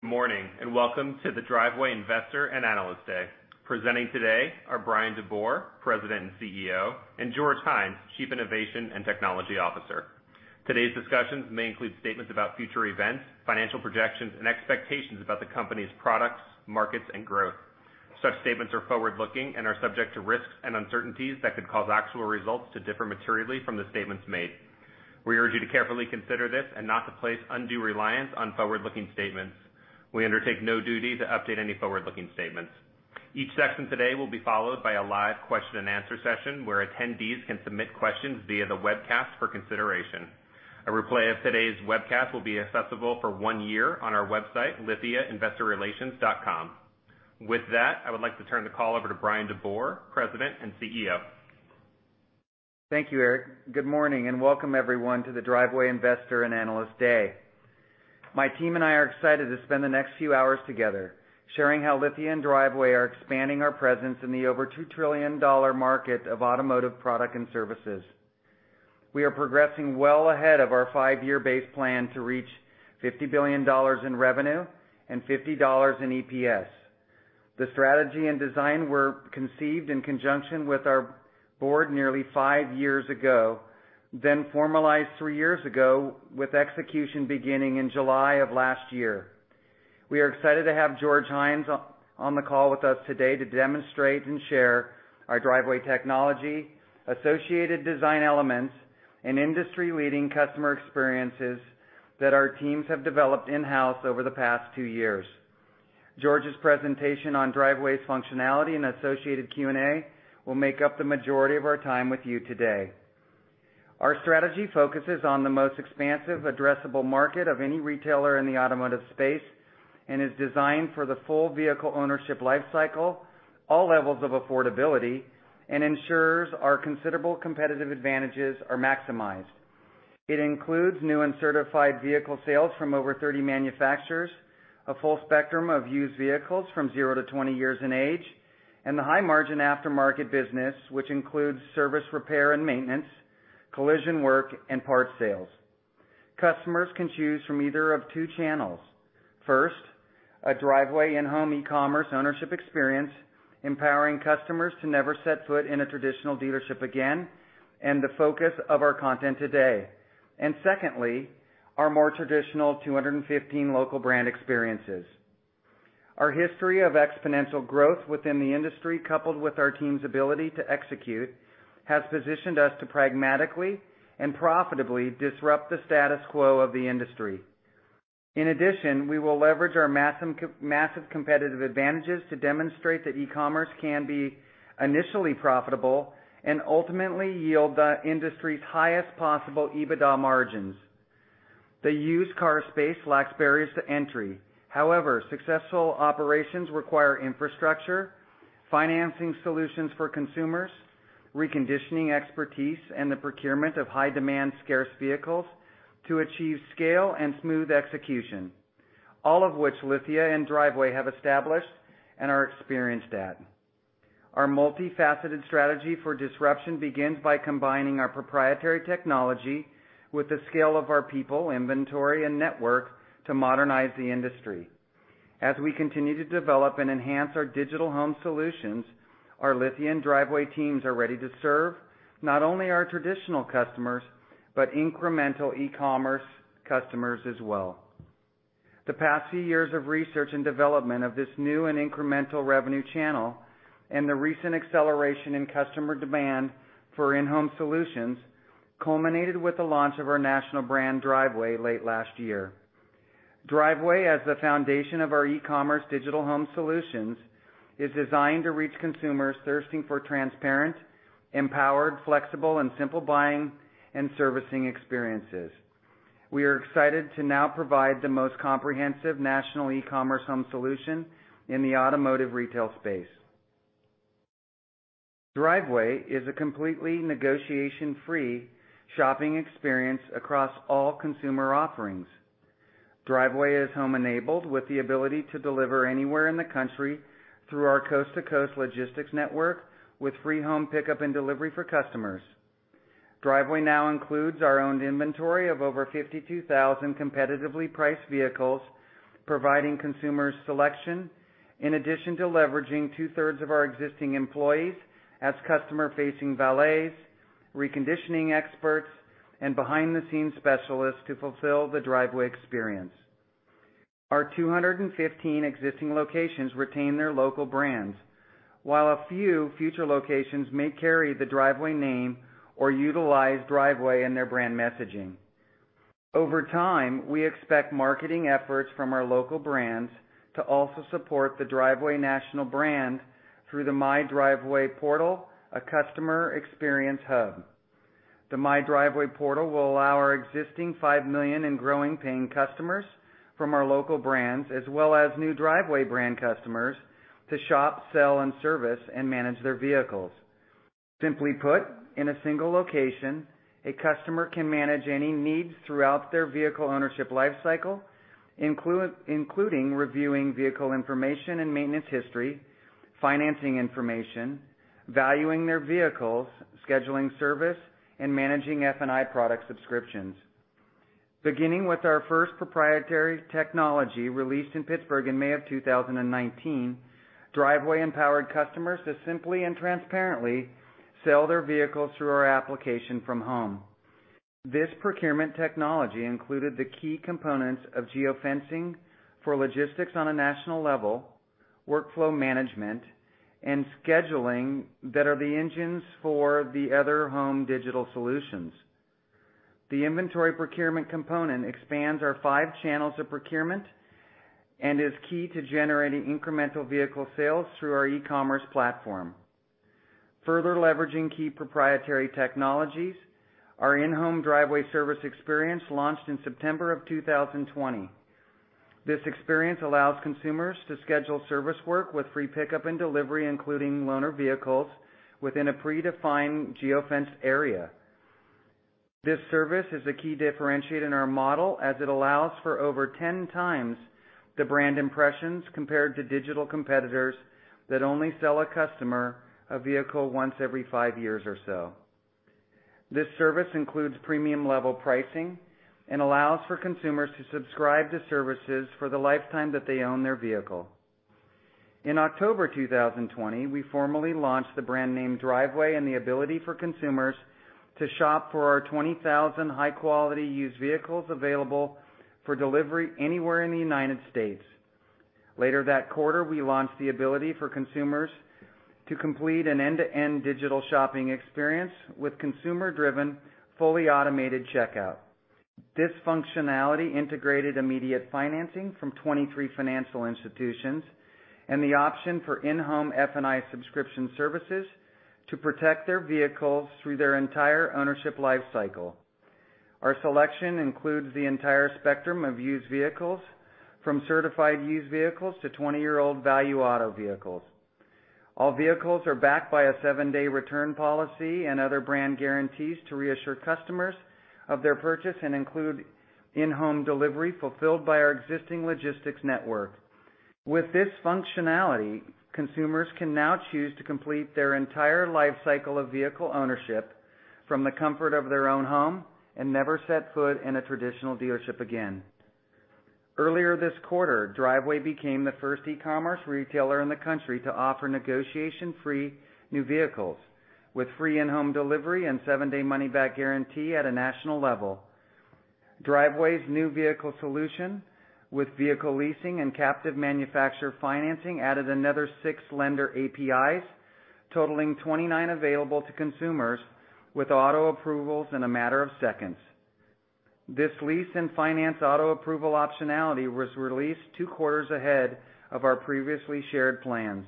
Good morning and welcome to the Driveway Investor and Analyst Day. Presenting today are Bryan DeBoer, President and CEO, and George Hines, Chief Innovation and Technology Officer. Today's discussions may include statements about future events, financial projections, and expectations about the company's products, markets, and growth. Such statements are forward-looking and are subject to risks and uncertainties that could cause actual results to differ materially from the statements made. We urge you to carefully consider this and not to place undue reliance on forward-looking statements. We undertake no duty to update any forward-looking statements. Each section today will be followed by a live question-and-answer session where attendees can submit questions via the webcast for consideration. A replay of today's webcast will be accessible for one year on our website, lithiainvestorrelations.com. With that, I would like to turn the call over to Bryan DeBoer, President and CEO. Thank you, Eric. Good morning and welcome, everyone, to the Driveway Investor and Analyst Day. My team and I are excited to spend the next few hours together sharing how Lithia and Driveway are expanding our presence in the over $2 trillion market of automotive products and services. We are progressing well ahead of our five-year base plan to reach $50 billion in revenue and $50 in EPS. The strategy and design were conceived in conjunction with our board nearly five years ago, then formalized three years ago, with execution beginning in July of last year. We are excited to have George Hines on the call with us today to demonstrate and share our Driveway technology, associated design elements, and industry-leading customer experiences that our teams have developed in-house over the past two years. George's presentation on Driveway's functionality and associated Q&A will make up the majority of our time with you today. Our strategy focuses on the most expansive addressable market of any retailer in the automotive space and is designed for the full vehicle ownership lifecycle, all levels of affordability, and ensures our considerable competitive advantages are maximized. It includes new and certified vehicle sales from over 30 manufacturers, a full spectrum of used vehicles from 0 to 20 years in age, and the high-margin aftermarket business, which includes service, repair, and maintenance, collision work, and part sales. Customers can choose from either of two channels. First, a Driveway in-home e-commerce ownership experience, empowering customers to never set foot in a traditional dealership again, and the focus of our content today, and secondly, our more traditional 215 local brand experiences. Our history of exponential growth within the industry, coupled with our team's ability to execute, has positioned us to pragmatically and profitably disrupt the status quo of the industry. In addition, we will leverage our massive competitive advantages to demonstrate that e-commerce can be initially profitable and ultimately yield the industry's highest possible EBITDA margins. The used car space lacks barriers to entry. However, successful operations require infrastructure, financing solutions for consumers, reconditioning expertise, and the procurement of high-demand, scarce vehicles to achieve scale and smooth execution, all of which Lithia and Driveway have established and are experienced at. Our multifaceted strategy for disruption begins by combining our proprietary technology with the skill of our people, inventory, and network to modernize the industry. As we continue to develop and enhance our digital home solutions, our Lithia & Driveway teams are ready to serve not only our traditional customers but incremental e-commerce customers as well. The past few years of research and development of this new and incremental revenue channel and the recent acceleration in customer demand for in-home solutions culminated with the launch of our national brand, Driveway, late last year. Driveway, as the foundation of our e-commerce digital home solutions, is designed to reach consumers thirsting for transparent, empowered, flexible, and simple buying and servicing experiences. We are excited to now provide the most comprehensive national e-commerce home solution in the automotive retail space. Driveway is a completely negotiation-free shopping experience across all consumer offerings. Driveway is home-enabled with the ability to deliver anywhere in the country through our coast-to-coast logistics network with free home pickup and delivery for customers. Driveway now includes our owned inventory of over 52,000 competitively priced vehicles, providing consumers selection in addition to leveraging two-thirds of our existing employees as customer-facing valets, reconditioning experts, and behind-the-scenes specialists to fulfill the Driveway experience. Our 215 existing locations retain their local brands, while a few future locations may carry the Driveway name or utilize Driveway in their brand messaging. Over time, we expect marketing efforts from our local brands to also support the Driveway national brand through the My Driveway portal, a customer experience hub. The My Driveway portal will allow our existing five million and growing paying customers from our local brands, as well as new Driveway brand customers, to shop, sell, and service and manage their vehicles. Simply put, in a single location, a customer can manage any needs throughout their vehicle ownership lifecycle, including reviewing vehicle information and maintenance history, financing information, valuing their vehicles, scheduling service, and managing F&I product subscriptions. Beginning with our first proprietary technology released in Pittsburgh in May of 2019, Driveway empowered customers to simply and transparently sell their vehicles through our application from home. This procurement technology included the key components of geofencing for logistics on a national level, workflow management, and scheduling that are the engines for the other home digital solutions. The inventory procurement component expands our five channels of procurement and is key to generating incremental vehicle sales through our e-commerce platform. Further leveraging key proprietary technologies, our in-home Driveway service experience launched in September of 2020. This experience allows consumers to schedule service work with free pickup and delivery, including loaner vehicles, within a predefined geofenced area. This service is a key differentiator in our model as it allows for over 10 times the brand impressions compared to digital competitors that only sell a customer a vehicle once every five years or so. This service includes premium-level pricing and allows for consumers to subscribe to services for the lifetime that they own their vehicle. In October 2020, we formally launched the brand name Driveway and the ability for consumers to shop for our 20,000 high-quality used vehicles available for delivery anywhere in the United States. Later that quarter, we launched the ability for consumers to complete an end-to-end digital shopping experience with consumer-driven, fully automated checkout. This functionality integrated immediate financing from 23 financial institutions and the option for in-home F&I subscription services to protect their vehicles through their entire ownership lifecycle. Our selection includes the entire spectrum of used vehicles, from certified used vehicles to 20-year-old Value Auto vehicles. All vehicles are backed by a seven-day return policy and other brand guarantees to reassure customers of their purchase and include in-home delivery fulfilled by our existing logistics network. With this functionality, consumers can now choose to complete their entire lifecycle of vehicle ownership from the comfort of their own home and never set foot in a traditional dealership again. Earlier this quarter, Driveway became the first e-commerce retailer in the country to offer negotiation-free new vehicles with free in-home delivery and seven-day money-back guarantee at a national level. Driveway's new vehicle solution, with vehicle leasing and captive manufacturer financing, added another six lender APIs, totaling 29 available to consumers with auto approvals in a matter of seconds. This lease and finance auto approval optionality was released two quarters ahead of our previously shared plans.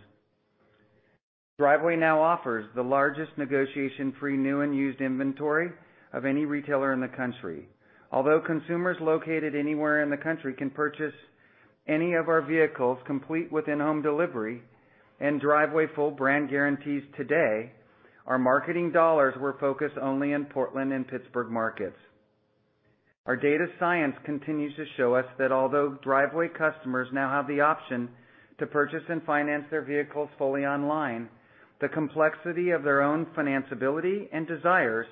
Driveway now offers the largest negotiation-free new and used inventory of any retailer in the country. Although consumers located anywhere in the country can purchase any of our vehicles complete with in-home delivery and Driveway full brand guarantees today, our marketing dollars were focused only in Portland and Pittsburgh markets. Our data science continues to show us that although Driveway customers now have the option to purchase and finance their vehicles fully online, the complexity of their own financial ability and desires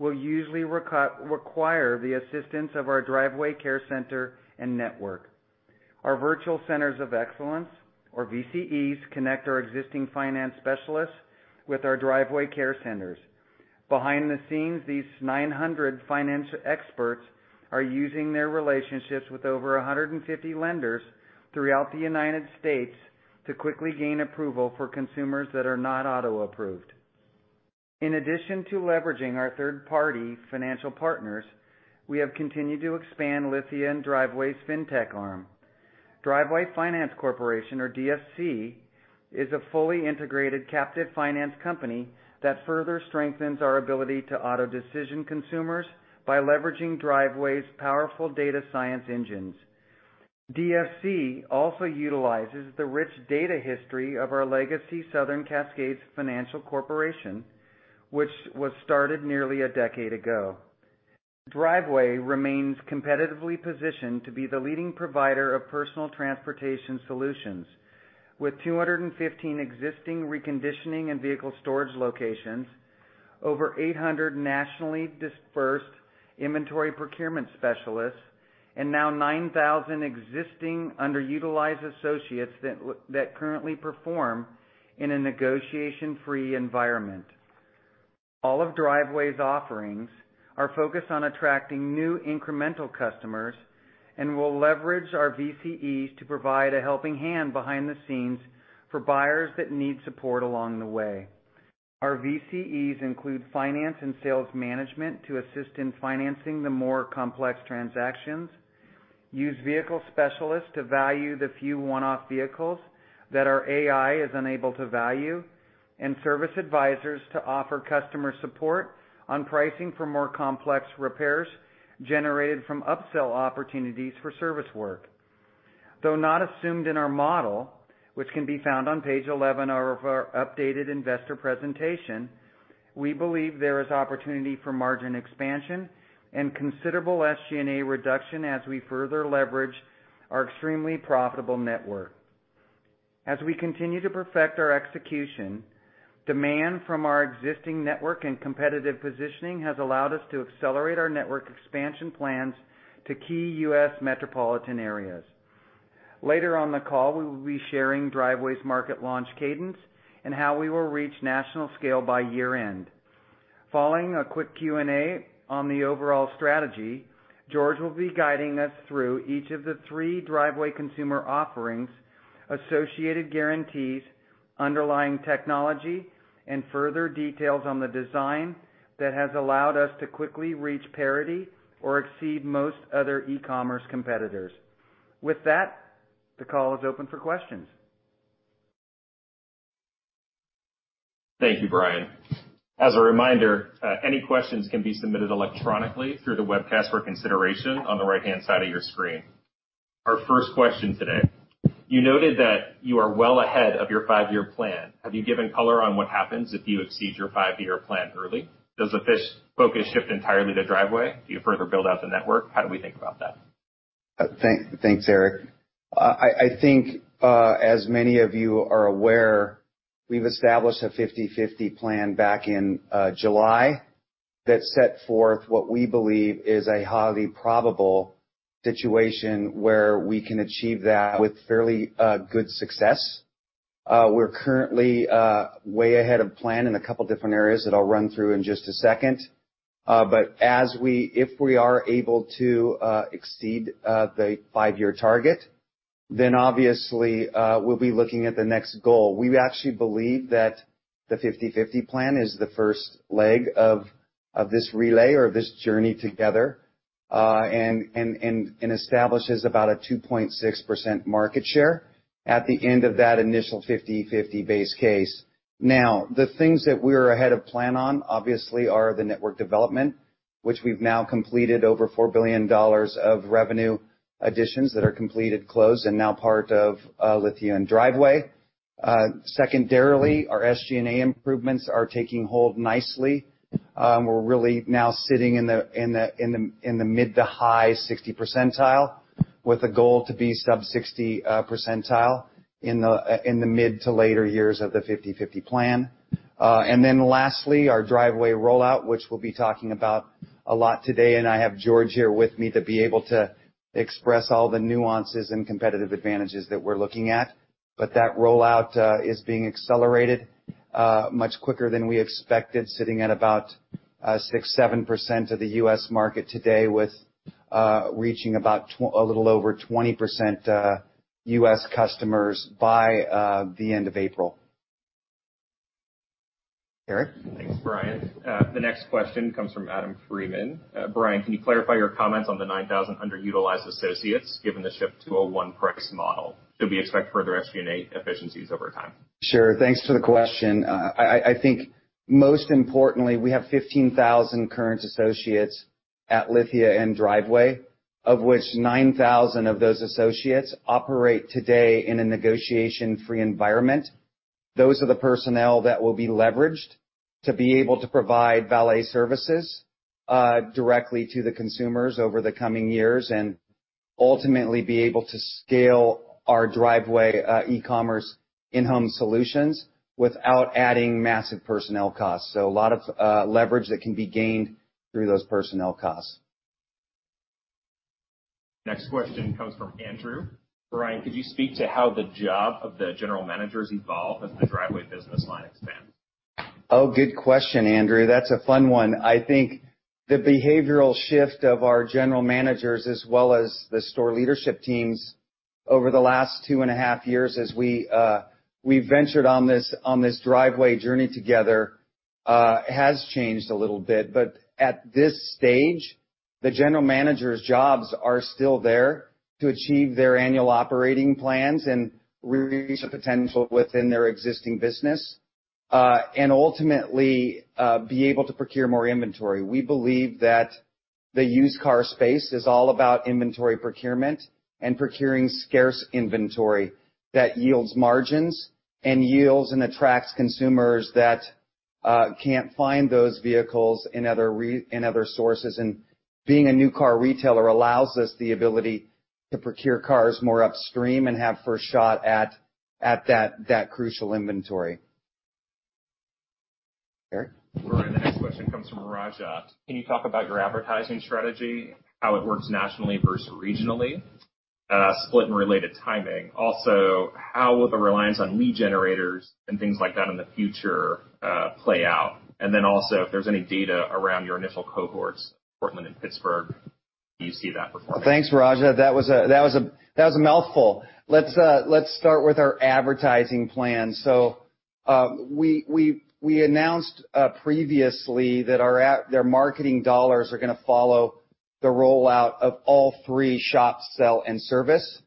will usually require the assistance of our Driveway Care Center and Network. Our Virtual Centers of Excellence, or VCEs, connect our existing finance specialists with our Driveway Care Centers. Behind the scenes, these 900 financial experts are using their relationships with over 150 lenders throughout the United States to quickly gain approval for consumers that are not auto-approved. In addition to leveraging our third-party financial partners, we have continued to expand Lithia and Driveway's fintech arm. Driveway Finance Corporation, or DFC, is a fully integrated captive finance company that further strengthens our ability to auto-decision consumers by leveraging Driveway's powerful data science engines. DFC also utilizes the rich data history of our legacy Southern Cascade Finance Corporation, which was started nearly a decade ago. Driveway remains competitively positioned to be the leading provider of personal transportation solutions, with 215 existing reconditioning and vehicle storage locations, over 800 nationally dispersed inventory procurement specialists, and now 9,000 existing underutilized associates that currently perform in a negotiation-free environment. All of Driveway's offerings are focused on attracting new incremental customers and will leverage our VCEs to provide a helping hand behind the scenes for buyers that need support along the way. Our VCEs include finance and sales management to assist in financing the more complex transactions, used vehicle specialists to value the few one-off vehicles that our AI is unable to value, and service advisors to offer customer support on pricing for more complex repairs generated from upsell opportunities for service work. Though not assumed in our model, which can be found on page 11 of our updated investor presentation, we believe there is opportunity for margin expansion and considerable SG&A reduction as we further leverage our extremely profitable network. As we continue to perfect our execution, demand from our existing network and competitive positioning has allowed us to accelerate our network expansion plans to key U.S. metropolitan areas. Later on the call, we will be sharing Driveway's market launch cadence and how we will reach national scale by year-end. Following a quick Q&A on the overall strategy, George will be guiding us through each of the three Driveway consumer offerings, associated guarantees, underlying technology, and further details on the design that has allowed us to quickly reach parity or exceed most other e-commerce competitors. With that, the call is open for questions. Thank you, Bryan. As a reminder, any questions can be submitted electronically through the webcast for consideration on the right-hand side of your screen. Our first question today: You noted that you are well ahead of your five-year plan. Have you given color on what happens if you exceed your five-year plan early? Does the focus shift entirely to Driveway? Do you further build out the network? How do we think about that? Thanks, Eric. I think, as many of you are aware, we've established a 50/50 Plan back in July that set forth what we believe is a highly probable situation where we can achieve that with fairly good success. We're currently way ahead of plan in a couple of different areas that I'll run through in just a second. But if we are able to exceed the five-year target, then obviously we'll be looking at the next goal. We actually believe that the 50/50 Plan is the first leg of this relay or this journey together and establishes about a 2.6% market share at the end of that initial 50/50 base case. Now, the things that we are ahead of plan on obviously are the network development, which we've now completed over $4 billion of revenue additions that are completed closed and now part of Lithia and Driveway. Secondarily, our SG&A improvements are taking hold nicely. We're really now sitting in the mid- to high-60th percentile with a goal to be sub-60th percentile in the mid- to later years of the 50/50 Plan. And then lastly, our Driveway rollout, which we'll be talking about a lot today, and I have George here with me to be able to express all the nuances and competitive advantages that we're looking at. But that rollout is being accelerated much quicker than we expected, sitting at about 6-7% of the U.S. market today with reaching about a little over 20% U.S. customers by the end of April. Eric? Thanks, Bryan. The next question comes from Adam Freeman. Bryan, can you clarify your comments on the 9,000 underutilized associates given the shift to a one-price model? Should we expect further SG&A efficiencies over time? Sure. Thanks for the question. I think most importantly, we have 15,000 current associates at Lithia and Driveway, of which 9,000 of those associates operate today in a negotiation-free environment. Those are the personnel that will be leveraged to be able to provide valet services directly to the consumers over the coming years and ultimately be able to scale our Driveway e-commerce in-home solutions without adding massive personnel costs. So a lot of leverage that can be gained through those personnel costs. Next question comes from Andrew. Bryan, could you speak to how the job of the general managers evolved as the Driveway business line expands? Oh, good question, Andrew. That's a fun one. I think the behavioral shift of our general managers as well as the store leadership teams over the last two and a half years as we ventured on this Driveway journey together has changed a little bit. But at this stage, the general managers' jobs are still there to achieve their annual operating plans and reach a potential within their existing business and ultimately be able to procure more inventory. We believe that the used car space is all about inventory procurement and procuring scarce inventory that yields margins and yields and attracts consumers that can't find those vehicles in other sources. Being a new car retailer allows us the ability to procure cars more upstream and have first shot at that crucial inventory. Eric? Bryan, the next question comes from Rajat. Can you talk about your advertising strategy, how it works nationally versus regionally, split and related timing? Also, how will the reliance on lead generators and things like that in the future play out? And then also, if there's any data around your initial cohorts, Portland and Pittsburgh, how do you see that performing? Thanks, Rajat. That was a mouthful. Let's start with our advertising plan. So we announced previously that our marketing dollars are going to follow the rollout of all three shop, sell, and service.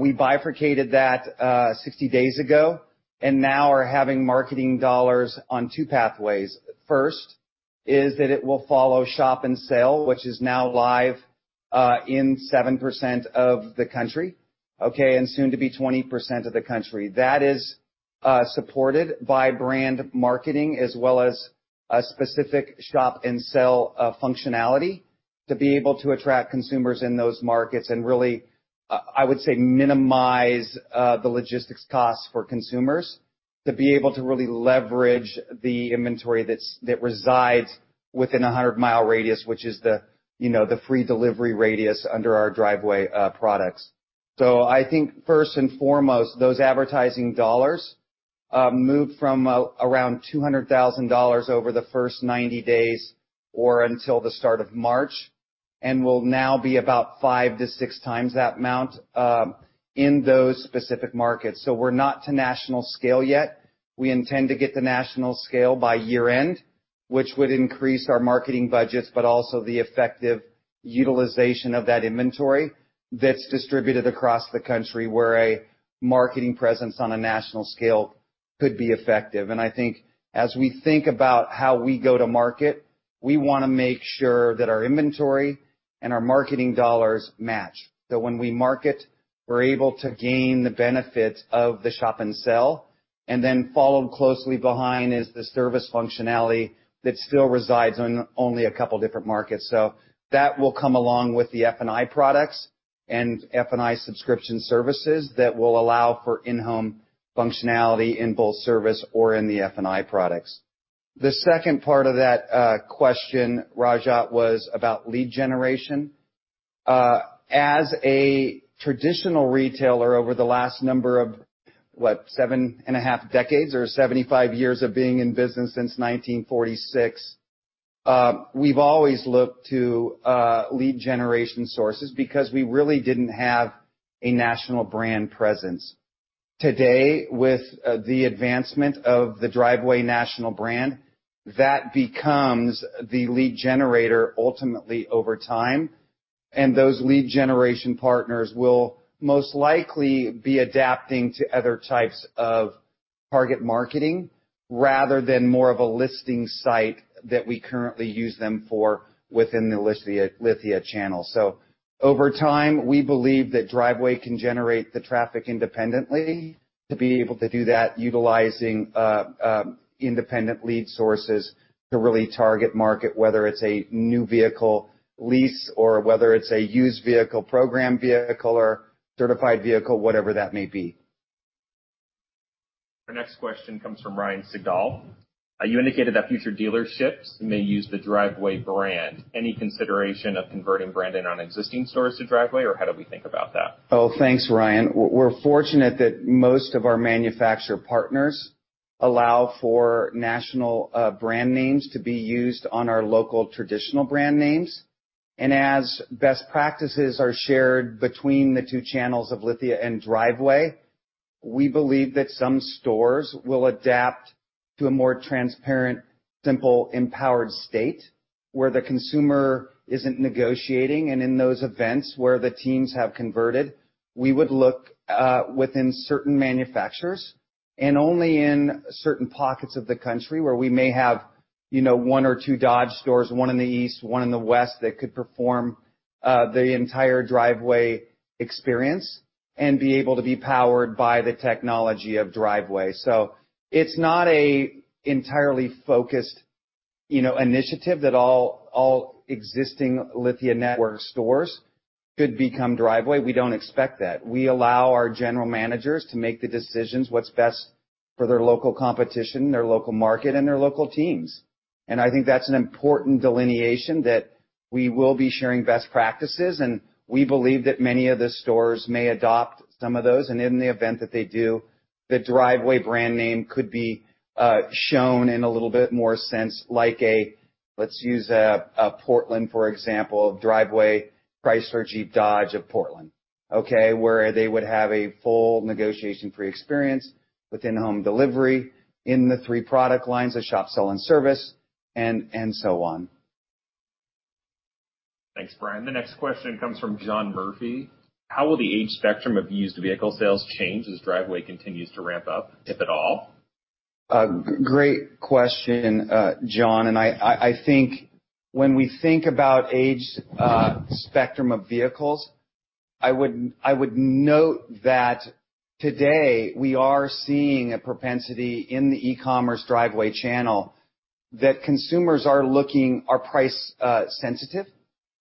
We bifurcated that 60 days ago and now are having marketing dollars on two pathways. First is that it will follow shop and sell, which is now live in 7% of the country, okay, and soon to be 20% of the country. That is supported by brand marketing as well as a specific shop and sell functionality to be able to attract consumers in those markets and really, I would say, minimize the logistics costs for consumers to be able to really leverage the inventory that resides within a 100-mile radius, which is the free delivery radius under our Driveway products. So I think first and foremost, those advertising dollars moved from around $200,000 over the first 90 days or until the start of March and will now be about five to six times that amount in those specific markets. So we're not to national scale yet. We intend to get to national scale by year-end, which would increase our marketing budgets, but also the effective utilization of that inventory that's distributed across the country where a marketing presence on a national scale could be effective. And I think as we think about how we go to market, we want to make sure that our inventory and our marketing dollars match. So when we market, we're able to gain the benefits of the shop and sell. And then followed closely behind is the service functionality that still resides in only a couple of different markets. So that will come along with the F&I products and F&I subscription services that will allow for in-home functionality in both service or in the F&I products. The second part of that question, Rajat, was about lead generation. As a traditional retailer over the last number of, what, seven and a half decades or 75 years of being in business since 1946, we've always looked to lead generation sources because we really didn't have a national brand presence. Today, with the advancement of the Driveway national brand, that becomes the lead generator ultimately over time. And those lead generation partners will most likely be adapting to other types of target marketing rather than more of a listing site that we currently use them for within the Lithia channel. So over time, we believe that Driveway can generate the traffic independently to be able to do that utilizing independent lead sources to really target market, whether it's a new vehicle lease or whether it's a used vehicle, program vehicle, or certified vehicle, whatever that may be. Our next question comes from Ryan Sigdahl. You indicated that future dealerships may use the Driveway brand. Any consideration of converting branding on existing stores to Driveway, or how do we think about that? Oh, thanks, Ryan. We're fortunate that most of our manufacturer partners allow for national brand names to be used on our local traditional brand names. And as best practices are shared between the two channels of Lithia and Driveway, we believe that some stores will adapt to a more transparent, simple, empowered state where the consumer isn't negotiating. And in those events where the teams have converted, we would look within certain manufacturers and only in certain pockets of the country where we may have one or two Dodge stores, one in the east, one in the west that could perform the entire Driveway experience and be able to be powered by the technology of Driveway. So it's not an entirely focused initiative that all existing Lithia network stores could become Driveway. We don't expect that. We allow our general managers to make the decisions what's best for their local competition, their local market, and their local teams. And I think that's an important delineation that we will be sharing best practices. And we believe that many of the stores may adopt some of those. And in the event that they do, the Driveway brand name could be shown in a little bit more sense like a, let's use Portland, for example, Driveway Chrysler Dodge Jeep Ram of Portland, okay, where they would have a full negotiation-free experience with in-home delivery in the three product lines of shop, sell, and service, and so on. Thanks, Bryan. The next question comes from John Murphy. How will the age spectrum of used vehicle sales change as Driveway continues to ramp up, if at all? Great question, John. And I think when we think about age spectrum of vehicles, I would note that today we are seeing a propensity in the e-commerce Driveway channel that consumers are looking price sensitive.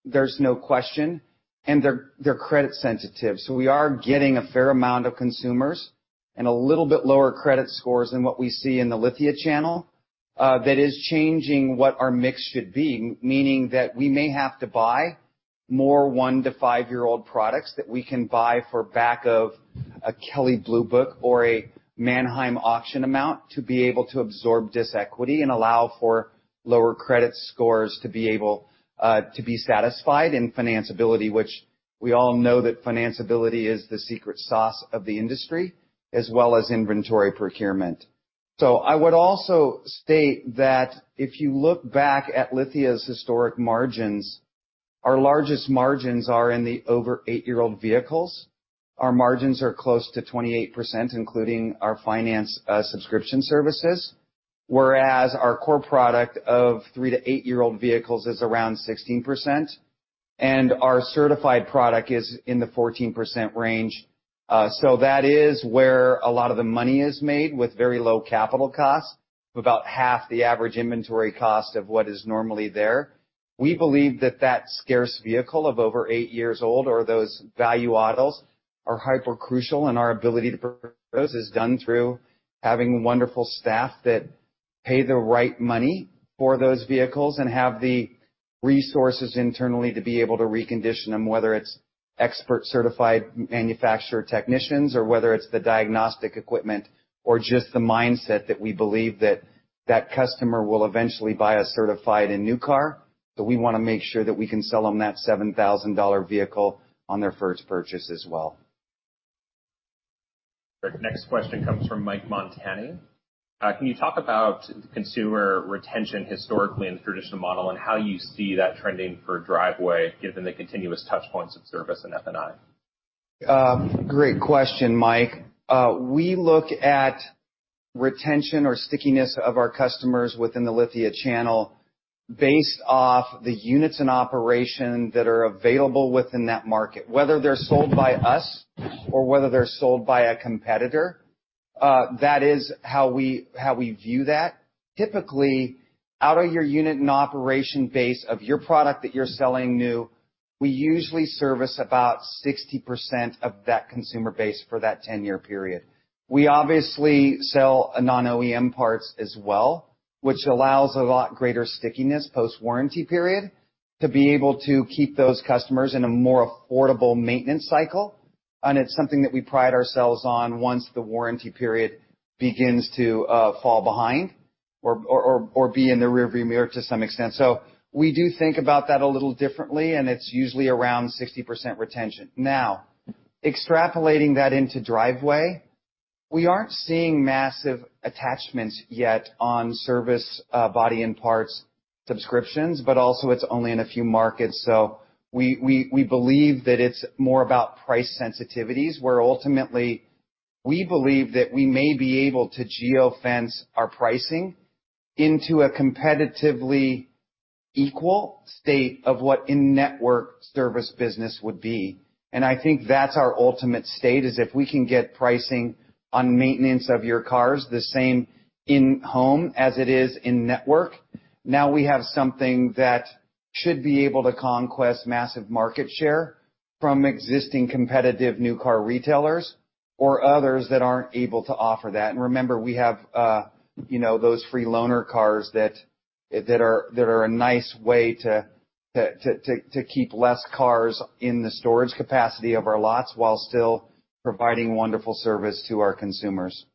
There's no question. And they're credit sensitive. So we are getting a fair amount of consumers and a little bit lower credit scores than what we see in the Lithia channel that is changing what our mix should be, meaning that we may have to buy more one- to five-year-old products that we can buy for back of a Kelley Blue Book or a Manheim auction amount to be able to absorb this equity and allow for lower credit scores to be able to be satisfied in financeability, which we all know that financeability is the secret sauce of the industry as well as inventory procurement. So I would also state that if you look back at Lithia's historic margins, our largest margins are in the over eight-year-old vehicles. Our margins are close to 28%, including our finance subscription services, whereas our core product of three to eight-year-old vehicles is around 16%. Our certified product is in the 14% range. So that is where a lot of the money is made with very low capital costs, about half the average inventory cost of what is normally there. We believe that that scarce vehicle of over eight years old or those Value Autos are hyper-crucial, and our ability to procure those is done through having wonderful staff that pay the right money for those vehicles and have the resources internally to be able to recondition them, whether it's expert-certified manufacturer technicians or whether it's the diagnostic equipment or just the mindset that we believe that that customer will eventually buy a certified and new car. So we want to make sure that we can sell them that $7,000 vehicle on their first purchase as well. The next question comes from Mike Montani. Can you talk about consumer retention historically in the traditional model and how you see that trending for Driveway given the continuous touchpoints of service and F&I? Great question, Mike. We look at retention or stickiness of our customers within the Lithia channel based off the units in operation that are available within that market, whether they're sold by us or whether they're sold by a competitor. That is how we view that. Typically, out of your unit and operation base of your product that you're selling new, we usually service about 60% of that consumer base for that 10-year period. We obviously sell non-OEM parts as well, which allows a lot greater stickiness post-warranty period to be able to keep those customers in a more affordable maintenance cycle. It's something that we pride ourselves on once the warranty period begins to fall behind or be in the rearview mirror to some extent. We do think about that a little differently, and it's usually around 60% retention. Now, extrapolating that into Driveway, we aren't seeing massive attachments yet on service body and parts subscriptions, but also it's only in a few markets. We believe that it's more about price sensitivities where ultimately we believe that we may be able to geofence our pricing into a competitively equal state of what in-network service business would be. And I think that's our ultimate state is if we can get pricing on maintenance of your cars the same in-home as it is in-network. Now we have something that should be able to conquest massive market share from existing competitive new car retailers or others that aren't able to offer that. And remember, we have those free loaner cars that are a nice way to keep less cars in the storage capacity of our lots while still providing wonderful service to our consumers.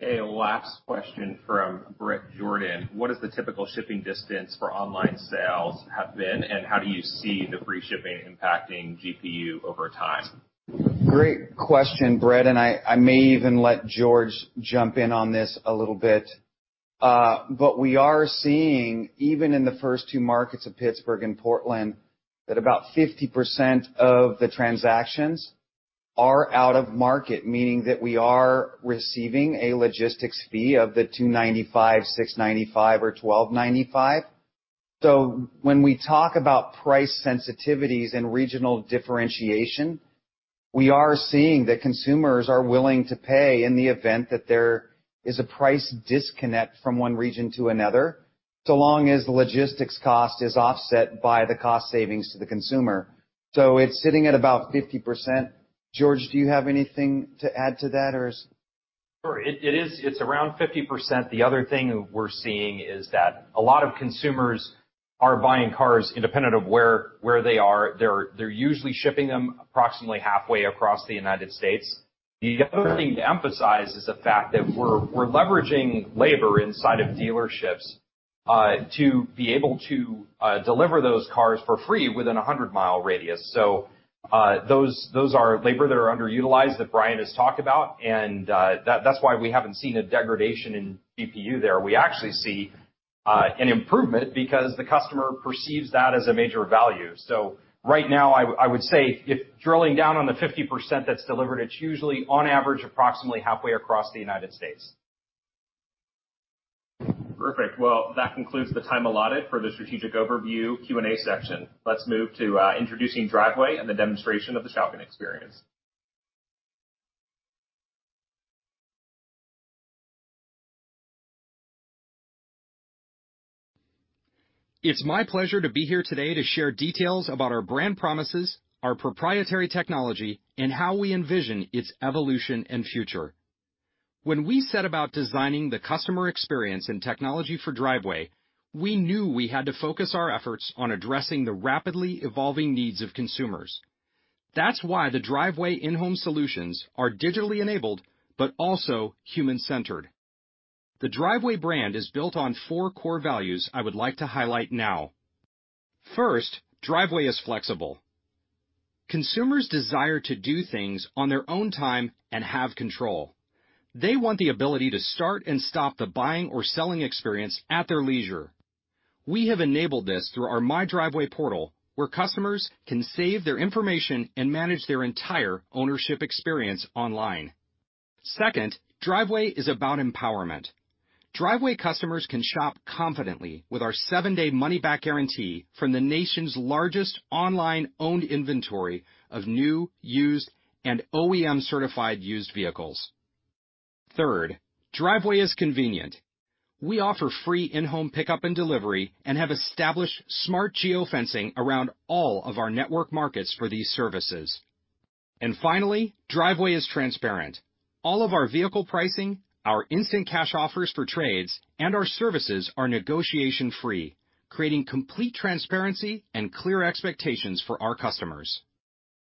A last question from Bret Jordan. What has the typical shipping distance for online sales have been, and how do you see the free shipping impacting GPU over time? Great question, Bret. And I may even let George jump in on this a little bit. But we are seeing, even in the first two markets of Pittsburgh and Portland, that about 50% of the transactions are out of market, meaning that we are receiving a logistics fee of the $295, $695, or $1,295. So when we talk about price sensitivities and regional differentiation, we are seeing that consumers are willing to pay in the event that there is a price disconnect from one region to another so long as the logistics cost is offset by the cost savings to the consumer. So it's sitting at about 50%. George, do you have anything to add to that, or? Sure. It's around 50%. The other thing we're seeing is that a lot of consumers are buying cars independent of where they are. They're usually shipping them approximately halfway across the United States. The other thing to emphasize is the fact that we're leveraging labor inside of dealerships to be able to deliver those cars for free within a 100-mile radius. So those are labor that are underutilized that Brian has talked about. And that's why we haven't seen a degradation in GPU there. We actually see an improvement because the customer perceives that as a major value. So right now, I would say if drilling down on the 50% that's delivered, it's usually, on average, approximately halfway across the United States. Perfect. Well, that concludes the time allotted for the strategic overview Q&A section. Let's move to introducing Driveway and the demonstration of the shopping experience. It's my pleasure to be here today to share details about our brand promises, our proprietary technology, and how we envision its evolution and future. When we set about designing the customer experience and technology for Driveway, we knew we had to focus our efforts on addressing the rapidly evolving needs of consumers. That's why the Driveway in-home solutions are digitally enabled but also human-centered. The Driveway brand is built on four core values I would like to highlight now. First, Driveway is flexible. Consumers desire to do things on their own time and have control. They want the ability to start and stop the buying or selling experience at their leisure. We have enabled this through our My Driveway portal where customers can save their information and manage their entire ownership experience online. Second, Driveway is about empowerment. Driveway customers can shop confidently with our seven-day money-back guarantee from the nation's largest online-owned inventory of new, used, and OEM-certified used vehicles. Third, Driveway is convenient. We offer free in-home pickup and delivery and have established smart geofencing around all of our network markets for these services. And finally, Driveway is transparent. All of our vehicle pricing, our instant cash offers for trades, and our services are negotiation-free, creating complete transparency and clear expectations for our customers.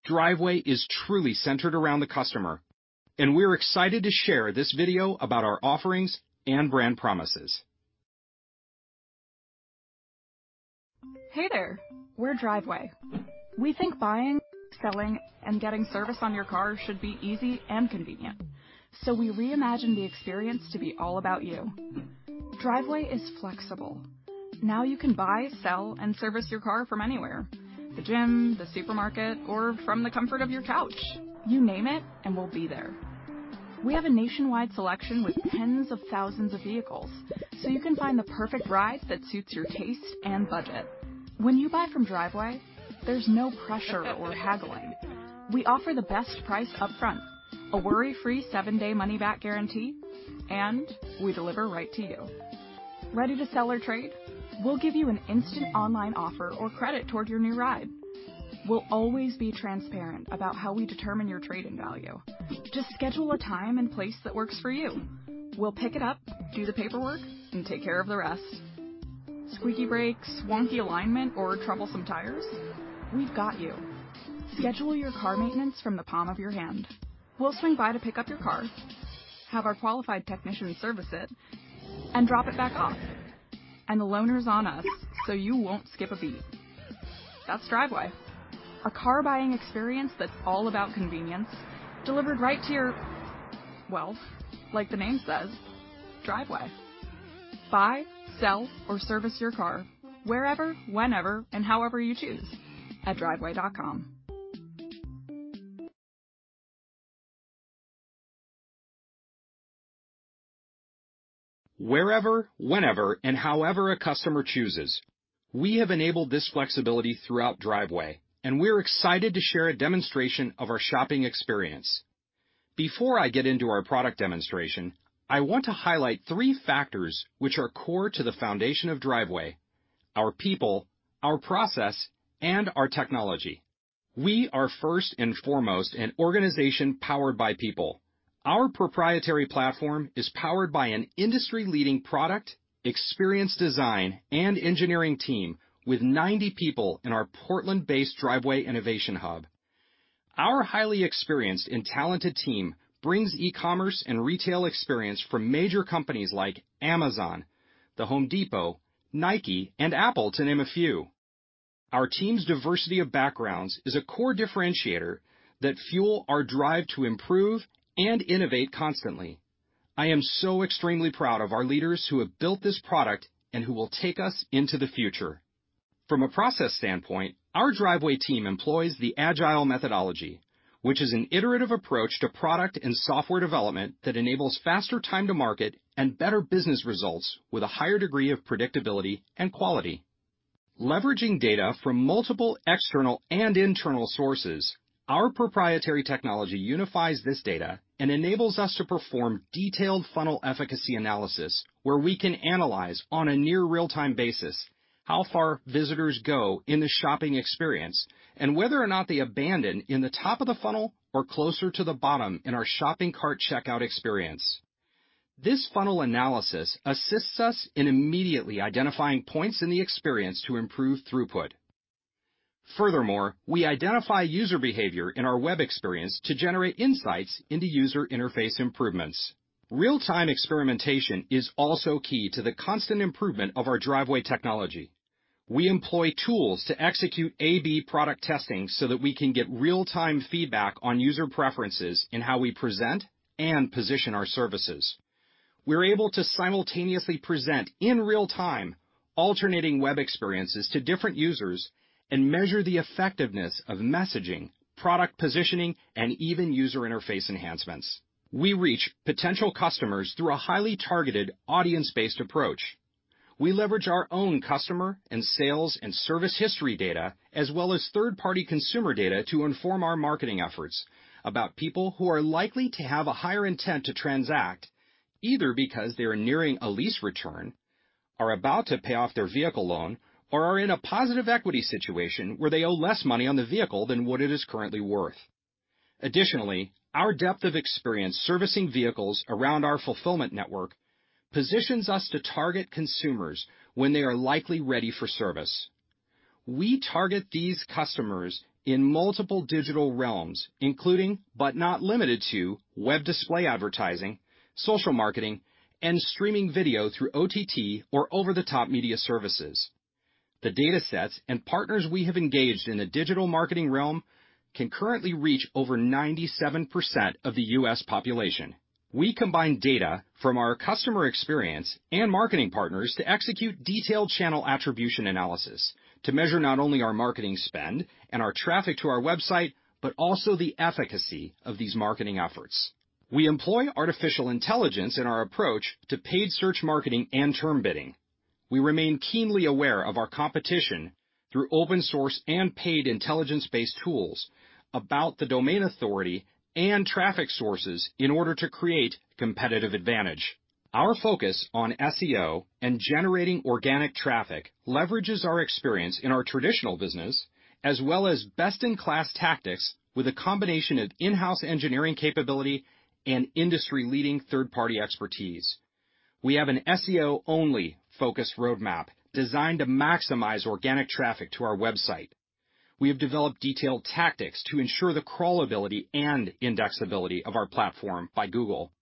Driveway is truly centered around the customer, and we're excited to share this video about our offerings and brand promises. Hey there. We're Driveway. We think buying, selling, and getting service on your car should be easy and convenient. So we reimagined the experience to be all about you. Driveway is flexible. Now you can buy, sell, and service your car from anywhere: the gym, the supermarket, or from the comfort of your couch. You name it, and we'll be there. We have a nationwide selection with tens of thousands of vehicles, so you can find the perfect ride that suits your taste and budget. When you buy from Driveway, there's no pressure or haggling. We offer the best price upfront, a worry-free seven-day money-back guarantee, and we deliver right to you. Ready to sell or trade? We'll give you an instant online offer or credit toward your new ride. We'll always be transparent about how we determine your trade-in value. Just schedule a time and place that works for you. We'll pick it up, do the paperwork, and take care of the rest. Squeaky brakes, wonky alignment, or troublesome tires? We've got you. Schedule your car maintenance from the palm of your hand. We'll swing by to pick up your car, have our qualified technician service it, and drop it back off. And the loaner's on us, so you won't skip a beat. That's Driveway, a car-buying experience that's all about convenience delivered right to your, well, like the name says, Driveway. Buy, sell, or service your car wherever, whenever, and however you choose at driveway.com. Wherever, whenever, and however a customer chooses. We have enabled this flexibility throughout Driveway, and we're excited to share a demonstration of our shopping experience. Before I get into our product demonstration, I want to highlight three factors which are core to the foundation of Driveway: our people, our process, and our technology. We are first and foremost an organization powered by people. Our proprietary platform is powered by an industry-leading product, experience design, and engineering team with 90 people in our Portland-based Driveway Innovation Hub. Our highly experienced and talented team brings e-commerce and retail experience from major companies like Amazon, The Home Depot, Nike, and Apple, to name a few. Our team's diversity of backgrounds is a core differentiator that fuels our drive to improve and innovate constantly. I am so extremely proud of our leaders who have built this product and who will take us into the future. From a process standpoint, our Driveway team employs the agile methodology, which is an iterative approach to product and software development that enables faster time to market and better business results with a higher degree of predictability and quality. Leveraging data from multiple external and internal sources, our proprietary technology unifies this data and enables us to perform detailed funnel efficacy analysis where we can analyze on a near real-time basis how far visitors go in the shopping experience and whether or not they abandon in the top of the funnel or closer to the bottom in our shopping cart checkout experience. This funnel analysis assists us in immediately identifying points in the experience to improve throughput. Furthermore, we identify user behavior in our web experience to generate insights into user interface improvements. Real-time experimentation is also key to the constant improvement of our Driveway technology. We employ tools to execute A/B product testing so that we can get real-time feedback on user preferences in how we present and position our services. We're able to simultaneously present in real-time alternating web experiences to different users and measure the effectiveness of messaging, product positioning, and even user interface enhancements. We reach potential customers through a highly targeted audience-based approach. We leverage our own customer and sales and service history data as well as third-party consumer data to inform our marketing efforts about people who are likely to have a higher intent to transact, either because they are nearing a lease return, are about to pay off their vehicle loan, or are in a positive equity situation where they owe less money on the vehicle than what it is currently worth. Additionally, our depth of experience servicing vehicles around our fulfillment network positions us to target consumers when they are likely ready for service. We target these customers in multiple digital realms, including but not limited to web display advertising, social marketing, and streaming video through OTT or over-the-top media services. The datasets and partners we have engaged in the digital marketing realm can currently reach over 97% of the U.S. population. We combine data from our customer experience and marketing partners to execute detailed channel attribution analysis to measure not only our marketing spend and our traffic to our website but also the efficacy of these marketing efforts. We employ artificial intelligence in our approach to paid search marketing and term bidding. We remain keenly aware of our competition through open-source and paid intelligence-based tools about the domain authority and traffic sources in order to create competitive advantage. Our focus on SEO and generating organic traffic leverages our experience in our traditional business as well as best-in-class tactics with a combination of in-house engineering capability and industry-leading third-party expertise. We have an SEO-only focus roadmap designed to maximize organic traffic to our website. We have developed detailed tactics to ensure the crawlability and indexability of our platform by Google.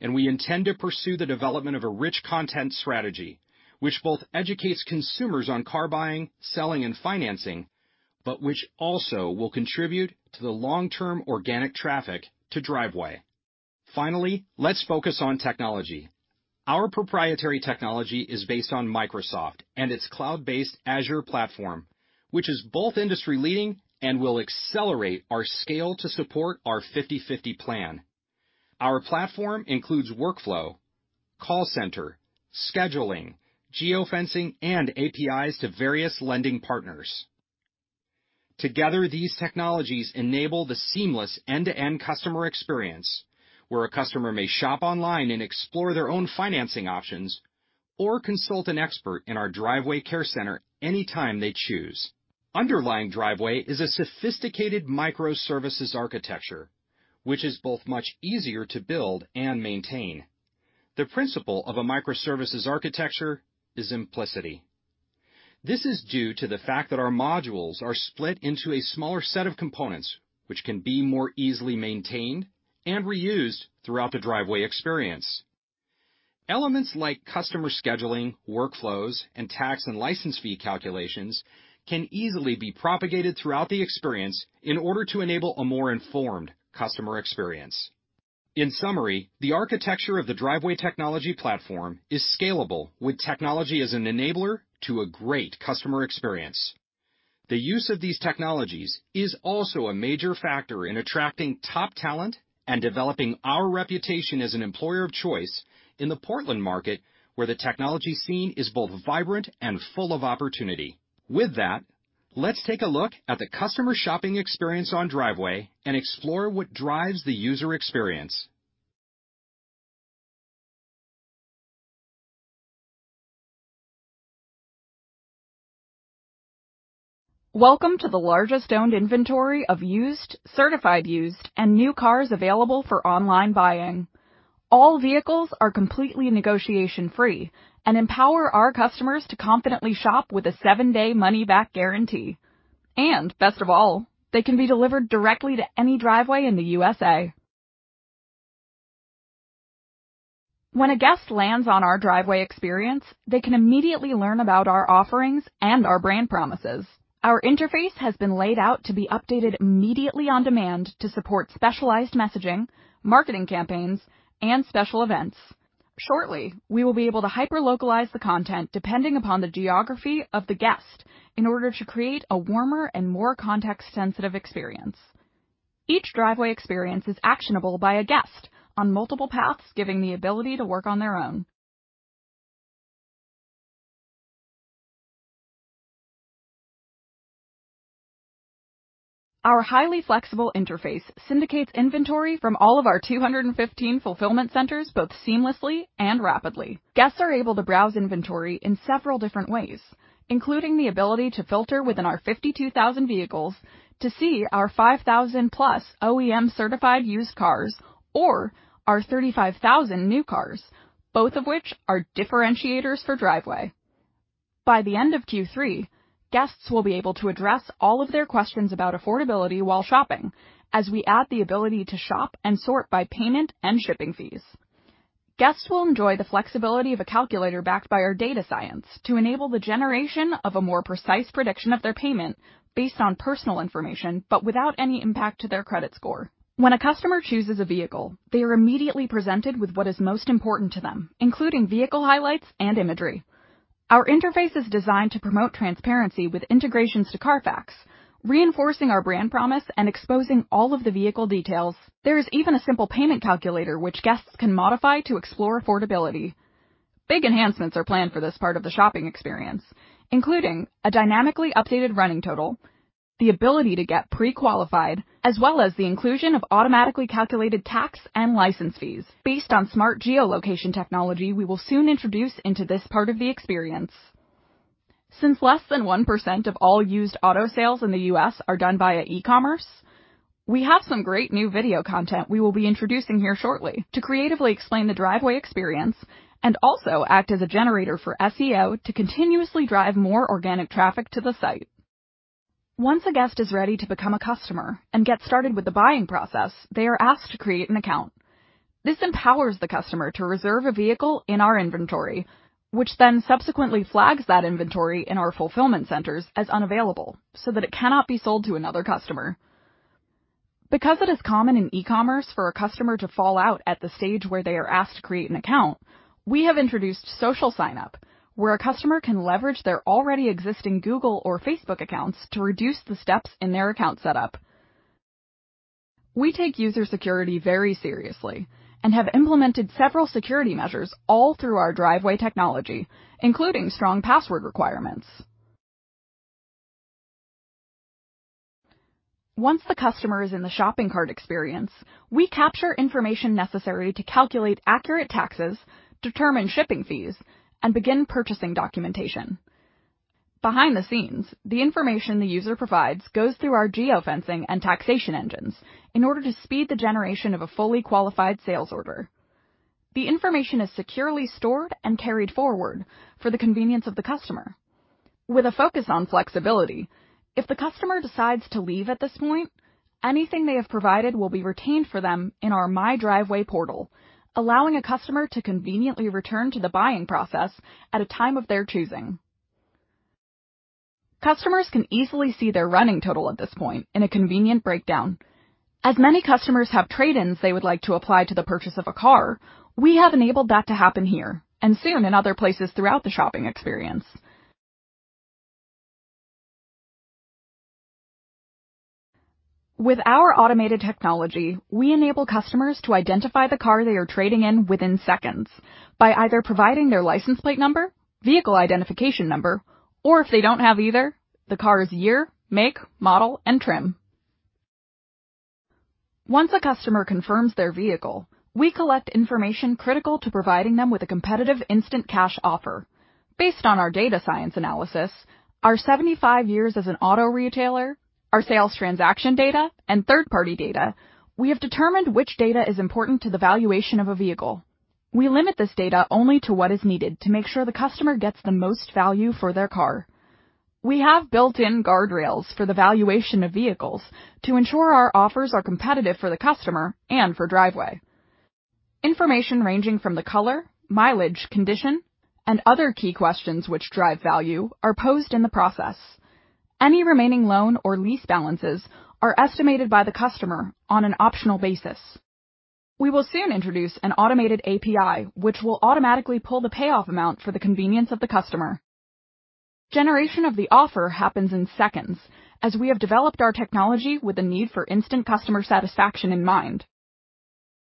And we intend to pursue the development of a rich content strategy which both educates consumers on car buying, selling, and financing but which also will contribute to the long-term organic traffic to Driveway. Finally, let's focus on technology. Our proprietary technology is based on Microsoft and its cloud-based Azure platform, which is both industry-leading and will accelerate our scale to support our 50/50 Plan. Our platform includes workflow, call center, scheduling, geofencing, and APIs to various lending partners. Together, these technologies enable the seamless end-to-end customer experience where a customer may shop online and explore their own financing options or consult an expert in our Driveway Care Center anytime they choose. Underlying Driveway is a sophisticated microservices architecture, which is both much easier to build and maintain. The principle of a microservices architecture is simplicity. This is due to the fact that our modules are split into a smaller set of components, which can be more easily maintained and reused throughout the Driveway experience. Elements like Customer Scheduling, Workflows, and Tax & License Calculations can easily be propagated throughout the experience in order to enable a more informed customer experience. In summary, the architecture of the Driveway technology platform is scalable with technology as an enabler to a great customer experience. The use of these technologies is also a major factor in attracting top talent and developing our reputation as an employer of choice in the Portland market where the technology scene is both vibrant and full of opportunity. With that, let's take a look at the customer shopping experience on Driveway and explore what drives the user experience. Welcome to the largest owned inventory of used, certified used, and new cars available for online buying. All vehicles are completely negotiation-free and empower our customers to confidently shop with a seven-day money-back guarantee, and best of all, they can be delivered directly to any Driveway in the USA. When a guest lands on our Driveway experience, they can immediately learn about our offerings and our brand promises. Our interface has been laid out to be updated immediately on demand to support specialized messaging, marketing campaigns, and special events. Shortly, we will be able to hyper-localize the content depending upon the geography of the guest in order to create a warmer and more context-sensitive experience. Each Driveway experience is actionable by a guest on multiple paths, giving the ability to work on their own. Our highly flexible interface syndicates inventory from all of our 215 fulfillment centers both seamlessly and rapidly. Guests are able to browse inventory in several different ways, including the ability to filter within our 52,000 vehicles to see our 5,000-plus OEM-certified used cars or our 35,000 new cars, both of which are differentiators for Driveway. By the end of Q3, guests will be able to address all of their questions about affordability while shopping as we add the ability to shop and sort by payment and shipping fees. Guests will enjoy the flexibility of a calculator backed by our data science to enable the generation of a more precise prediction of their payment based on personal information but without any impact to their credit score. When a customer chooses a vehicle, they are immediately presented with what is most important to them, including vehicle highlights and imagery. Our interface is designed to promote transparency with integrations to CARFAX, reinforcing our brand promise and exposing all of the vehicle details. There is even a simple payment calculator, which guests can modify to explore affordability. Big enhancements are planned for this part of the shopping experience, including a dynamically updated running total, the ability to get pre-qualified, as well as the inclusion of automatically calculated tax and license fees based on smart geolocation technology we will soon introduce into this part of the experience. Since less than 1% of all used auto sales in the U.S. are done via e-commerce, we have some great new video content we will be introducing here shortly to creatively explain the Driveway experience and also act as a generator for SEO to continuously drive more organic traffic to the site. Once a guest is ready to become a customer and get started with the buying process, they are asked to create an account. This empowers the customer to reserve a vehicle in our inventory, which then subsequently flags that inventory in our fulfillment centers as unavailable so that it cannot be sold to another customer. Because it is common in e-commerce for a customer to fall out at the stage where they are asked to create an account, we have introduced social sign-up where a customer can leverage their already existing Google or Facebook accounts to reduce the steps in their account setup. We take user security very seriously and have implemented several security measures all through our Driveway technology, including strong password requirements. Once the customer is in the shopping cart experience, we capture information necessary to calculate accurate taxes, determine shipping fees, and begin purchasing documentation. Behind the scenes, the information the user provides goes through our geofencing and taxation engines in order to speed the generation of a fully qualified sales order. The information is securely stored and carried forward for the convenience of the customer. With a focus on flexibility, if the customer decides to leave at this point, anything they have provided will be retained for them in our My Driveway portal, allowing a customer to conveniently return to the buying process at a time of their choosing. Customers can easily see their running total at this point in a convenient breakdown. As many customers have trade-ins they would like to apply to the purchase of a car, we have enabled that to happen here and soon in other places throughout the shopping experience. With our automated technology, we enable customers to identify the car they are trading in within seconds by either providing their license plate number, vehicle identification number, or if they don't have either, the car's year, make, model, and trim. Once a customer confirms their vehicle, we collect information critical to providing them with a competitive instant cash offer. Based on our data science analysis, our 75 years as an auto retailer, our sales transaction data, and third-party data, we have determined which data is important to the valuation of a vehicle. We limit this data only to what is needed to make sure the customer gets the most value for their car. We have built-in guardrails for the valuation of vehicles to ensure our offers are competitive for the customer and for Driveway. Information ranging from the color, mileage, condition, and other key questions which drive value are posed in the process. Any remaining loan or lease balances are estimated by the customer on an optional basis. We will soon introduce an automated API which will automatically pull the payoff amount for the convenience of the customer. Generation of the offer happens in seconds as we have developed our technology with a need for instant customer satisfaction in mind.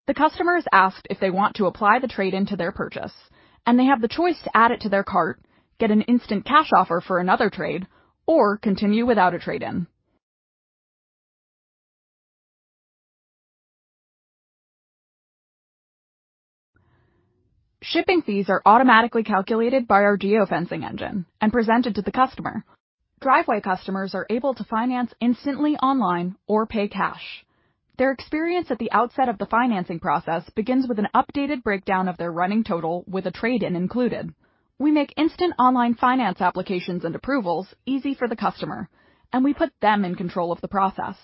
The customer is asked if they want to apply the trade-in to their purchase, and they have the choice to add it to their cart, get an instant cash offer for another trade, or continue without a trade-in. Shipping fees are automatically calculated by our geofencing engine and presented to the customer. Driveway customers are able to finance instantly online or pay cash. Their experience at the outset of the financing process begins with an updated breakdown of their running total with a trade-in included. We make instant online finance applications and approvals easy for the customer, and we put them in control of the process.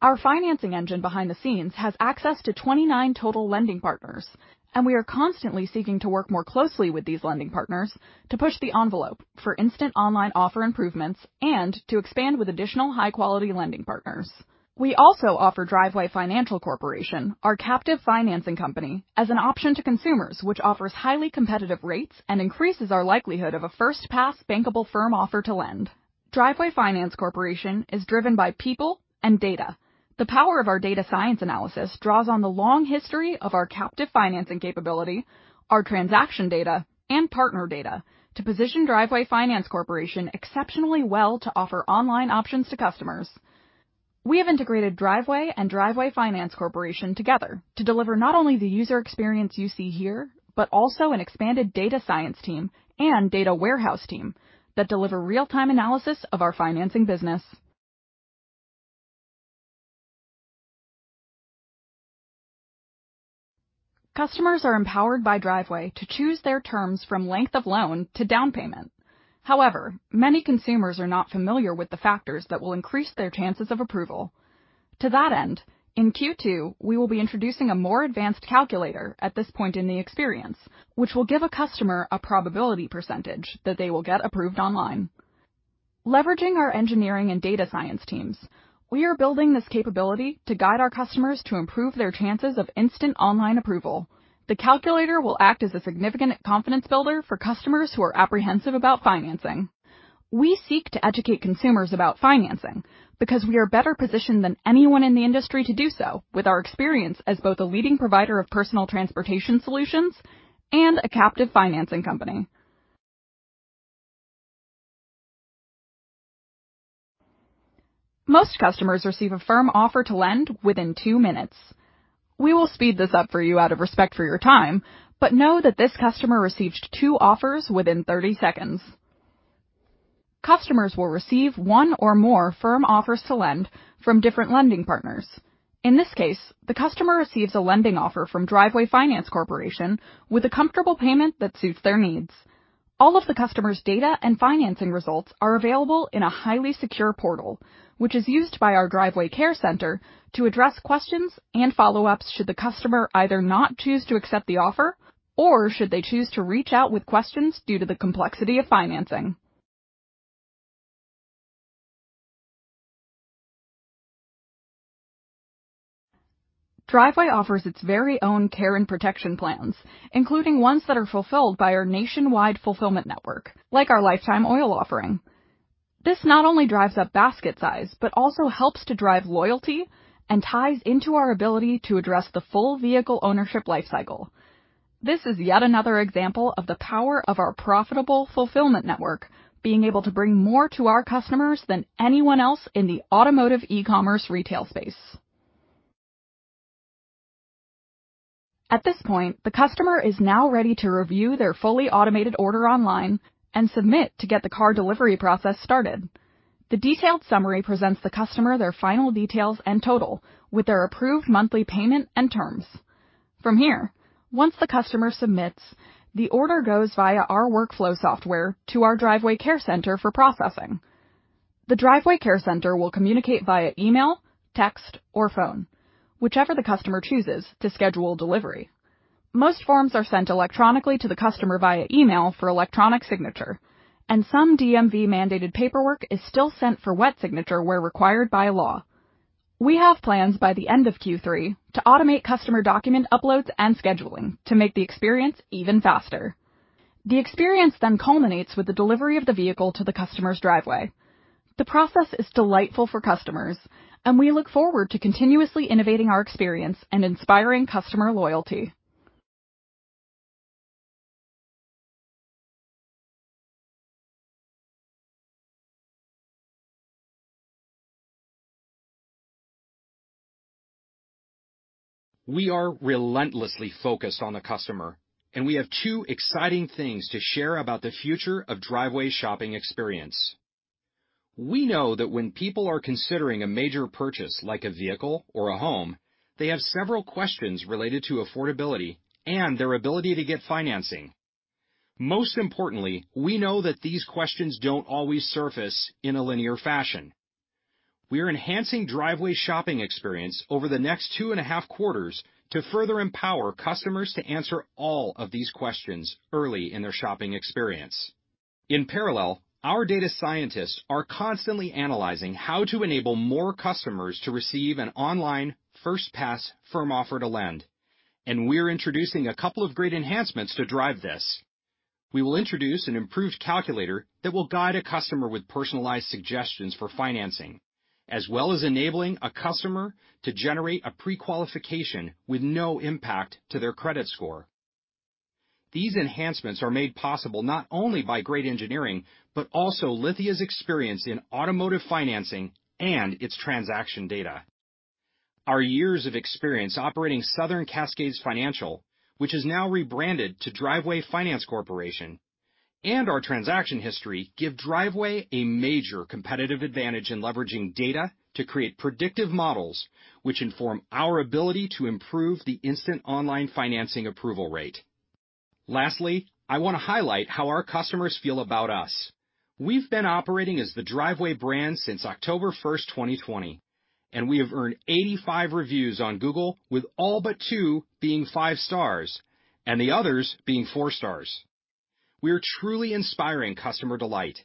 Our financing engine behind the scenes has access to 29 total lending partners, and we are constantly seeking to work more closely with these lending partners to push the envelope for instant online offer improvements and to expand with additional high-quality lending partners. We also offer Driveway Finance Corporation, our captive financing company, as an option to consumers which offers highly competitive rates and increases our likelihood of a first-pass bankable firm offer to lend. Driveway Finance Corporation is driven by people and data. The power of our data science analysis draws on the long history of our captive financing capability, our transaction data, and partner data to position Driveway Finance Corporation exceptionally well to offer online options to customers. We have integrated Driveway and Driveway Finance Corporation together to deliver not only the user experience you see here but also an expanded data science team and data warehouse team that deliver real-time analysis of our financing business. Customers are empowered by Driveway to choose their terms from length of loan to down payment. However, many consumers are not familiar with the factors that will increase their chances of approval. To that end, in Q2, we will be introducing a more advanced calculator at this point in the experience which will give a customer a probability percentage that they will get approved online. Leveraging our engineering and data science teams, we are building this capability to guide our customers to improve their chances of instant online approval. The calculator will act as a significant confidence builder for customers who are apprehensive about financing. We seek to educate consumers about financing because we are better positioned than anyone in the industry to do so with our experience as both a leading provider of personal transportation solutions and a captive financing company. Most customers receive a firm offer to lend within two minutes. We will speed this up for you out of respect for your time, but know that this customer received two offers within 30 seconds. Customers will receive one or more firm offers to lend from different lending partners. In this case, the customer receives a lending offer from Driveway Finance Corporation with a comfortable payment that suits their needs. All of the customer's data and financing results are available in a highly secure portal which is used by our Driveway Care Center to address questions and follow-ups should the customer either not choose to accept the offer or should they choose to reach out with questions due to the complexity of financing. Driveway offers its very own care and protection plans, including ones that are fulfilled by our nationwide fulfillment network, like our Lifetime Oil offering. This not only drives up basket size but also helps to drive loyalty and ties into our ability to address the full vehicle ownership lifecycle. This is yet another example of the power of our profitable fulfillment network, being able to bring more to our customers than anyone else in the automotive e-commerce retail space. At this point, the customer is now ready to review their fully automated order online and submit to get the car delivery process started. The detailed summary presents the customer their final details and total with their approved monthly payment and terms. From here, once the customer submits, the order goes via our workflow software to our Driveway Care Center for processing. The Driveway Care Center will communicate via email, text, or phone, whichever the customer chooses to schedule delivery. Most forms are sent electronically to the customer via email for electronic signature, and some DMV-mandated paperwork is still sent for wet signature where required by law. We have plans by the end of Q3 to automate customer document uploads and scheduling to make the experience even faster. The experience then culminates with the delivery of the vehicle to the customer's Driveway. The process is delightful for customers, and we look forward to continuously innovating our experience and inspiring customer loyalty. We are relentlessly focused on the customer, and we have two exciting things to share about the future of Driveway's shopping experience. We know that when people are considering a major purchase like a vehicle or a home, they have several questions related to affordability and their ability to get financing. Most importantly, we know that these questions don't always surface in a linear fashion. We are enhancing Driveway's shopping experience over the next two and a half quarters to further empower customers to answer all of these questions early in their shopping experience. In parallel, our data scientists are constantly analyzing how to enable more customers to receive an online first-pass firm offer to lend, and we are introducing a couple of great enhancements to drive this. We will introduce an improved calculator that will guide a customer with personalized suggestions for financing, as well as enabling a customer to generate a pre-qualification with no impact to their credit score. These enhancements are made possible not only by great engineering but also Lithia's experience in automotive financing and its transaction data. Our years of experience operating Southern Cascade Financial, which is now rebranded to Driveway Finance Corporation, and our transaction history give Driveway a major competitive advantage in leveraging data to create predictive models which inform our ability to improve the instant online financing approval rate. Lastly, I want to highlight how our customers feel about us. We've been operating as the Driveway brand since October 1st, 2020, and we have earned 85 reviews on Google, with all but two being five stars and the others being four stars. We are truly inspiring customer delight,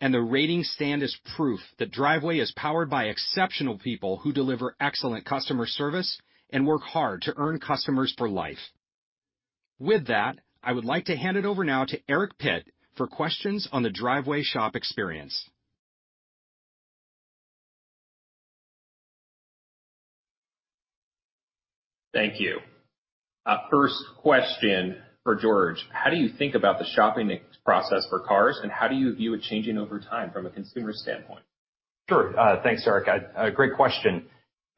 and the rating stand is proof that Driveway is powered by exceptional people who deliver excellent customer service and work hard to earn customers for life. With that, I would like to hand it over now to Eric Pitt for questions on the Driveway shop experience. Thank you. First question for George. How do you think about the shopping process for cars, and how do you view it changing over time from a consumer standpoint? Sure. Thanks, Eric. A great question.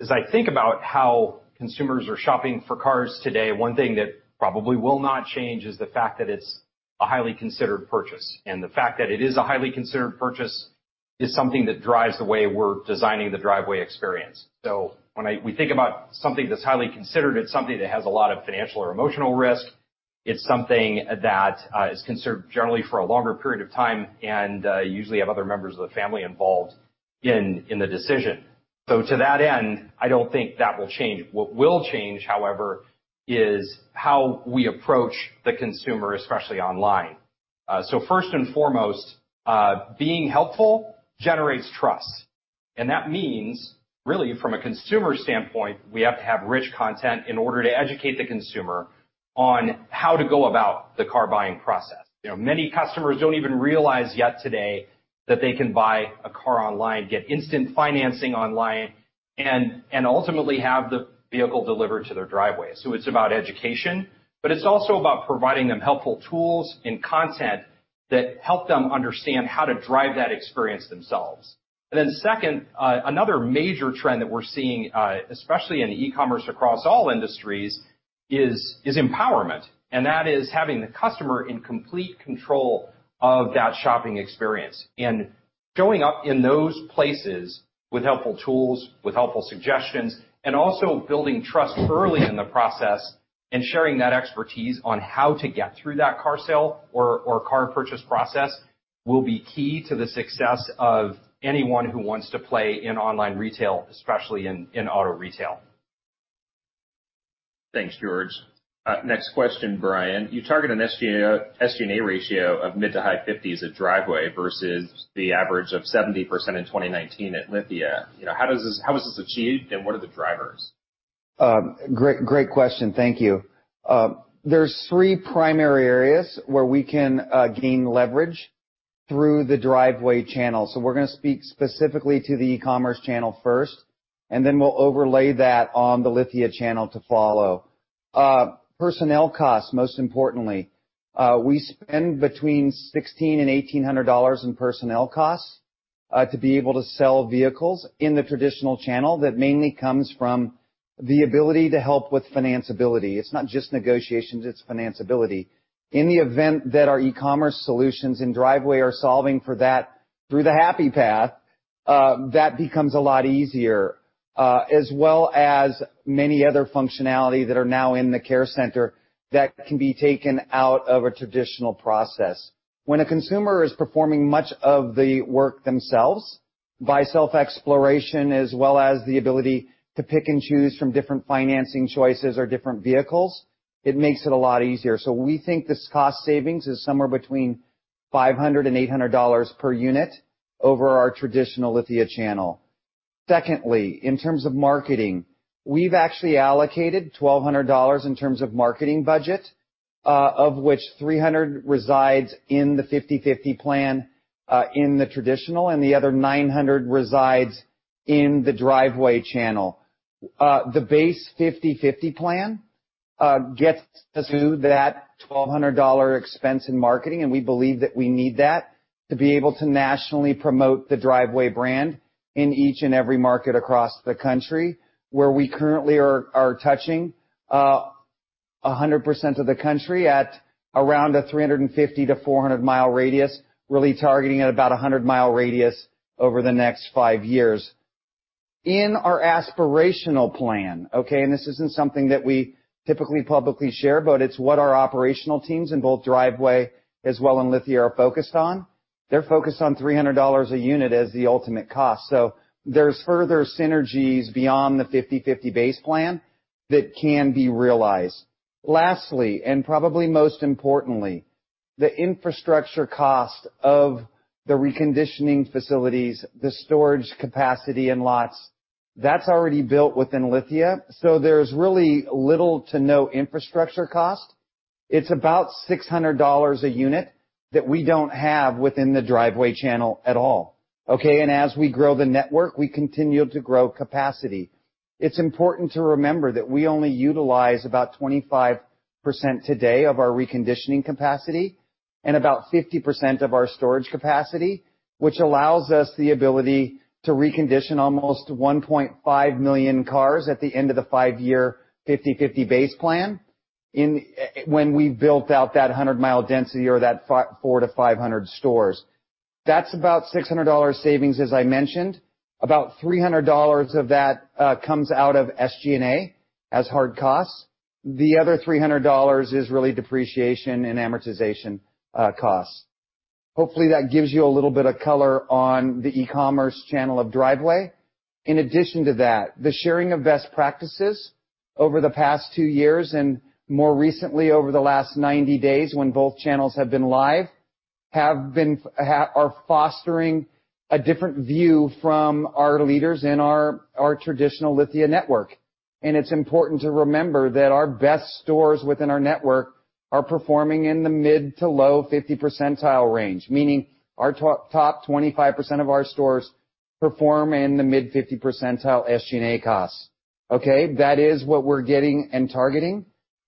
As I think about how consumers are shopping for cars today, one thing that probably will not change is the fact that it's a highly considered purchase. And the fact that it is a highly considered purchase is something that drives the way we're designing the Driveway experience. When we think about something that's highly considered, it's something that has a lot of financial or emotional risk. It's something that is considered generally for a longer period of time and usually have other members of the family involved in the decision. To that end, I don't think that will change. What will change, however, is how we approach the consumer, especially online. First and foremost, being helpful generates trust. That means, really, from a consumer standpoint, we have to have rich content in order to educate the consumer on how to go about the car buying process. Many customers don't even realize yet today that they can buy a car online, get instant financing online, and ultimately have the vehicle delivered to their Driveway. It's about education, but it's also about providing them helpful tools and content that help them understand how to drive that experience themselves. And then second, another major trend that we're seeing, especially in e-commerce across all industries, is empowerment. And that is having the customer in complete control of that shopping experience and showing up in those places with helpful tools, with helpful suggestions, and also building trust early in the process and sharing that expertise on how to get through that car sale or car purchase process will be key to the success of anyone who wants to play in online retail, especially in auto retail. Thanks, George. Next question, Bryan. You target an SG&A ratio of mid- to high-50s% at Driveway versus the average of 70% in 2019 at Lithia. How was this achieved, and what are the drivers? Great question. Thank you. There's three primary areas where we can gain leverage through the Driveway channel. We're going to speak specifically to the e-commerce channel first, and then we'll overlay that on the Lithia channel to follow. Personnel costs, most importantly. We spend between $1,600 and $1,800 in personnel costs to be able to sell vehicles in the traditional channel that mainly comes from the ability to help with financeability. It's not just negotiations. It's financeability. In the event that our e-commerce solutions in Driveway are solving for that through the happy path, that becomes a lot easier, as well as many other functionalities that are now in the care center that can be taken out of a traditional process. When a consumer is performing much of the work themselves by self-exploration, as well as the ability to pick and choose from different financing choices or different vehicles, it makes it a lot easier. So we think this cost savings is somewhere between $500 and $800 per unit over our traditional Lithia channel. Secondly, in terms of marketing, we've actually allocated $1,200 in terms of marketing budget, of which $300 resides in the 50/50 Plan in the traditional, and the other $900 resides in the Driveway channel. The base 50/50 Plan gets us to that $1,200 expense in marketing, and we believe that we need that to be able to nationally promote the Driveway brand in each and every market across the country where we currently are touching 100% of the country at around a 350-400-mile radius, really targeting at about a 100-mile radius over the next five years. In our aspirational plan, okay, and this isn't something that we typically publicly share, but it's what our operational teams in both Driveway as well as Lithia are focused on. They're focused on $300 a unit as the ultimate cost. So there's further synergies beyond the 50/50 base plan that can be realized. Lastly, and probably most importantly, the infrastructure cost of the reconditioning facilities, the storage capacity in lots, that's already built within Lithia. So there's really little to no infrastructure cost. It's about $600 a unit that we don't have within the Driveway channel at all. Okay, and as we grow the network, we continue to grow capacity. It's important to remember that we only utilize about 25% today of our reconditioning capacity and about 50% of our storage capacity, which allows us the ability to recondition almost 1.5 million cars at the end of the five-year 50/50 base plan when we've built out that 100-mile density or that four to 500 stores. That's about $600 savings, as I mentioned. About $300 of that comes out of SG&A as hard costs. The other $300 is really depreciation and amortization costs. Hopefully, that gives you a little bit of color on the e-commerce channel of Driveway. In addition to that, the sharing of best practices over the past two years and more recently over the last 90 days when both channels have been live are fostering a different view from our leaders in our traditional Lithia network, and it's important to remember that our best stores within our network are performing in the mid to low 50 percentile range, meaning our top 25% of our stores perform in the mid 50 percentile SG&A costs. Okay, that is what we're getting and targeting,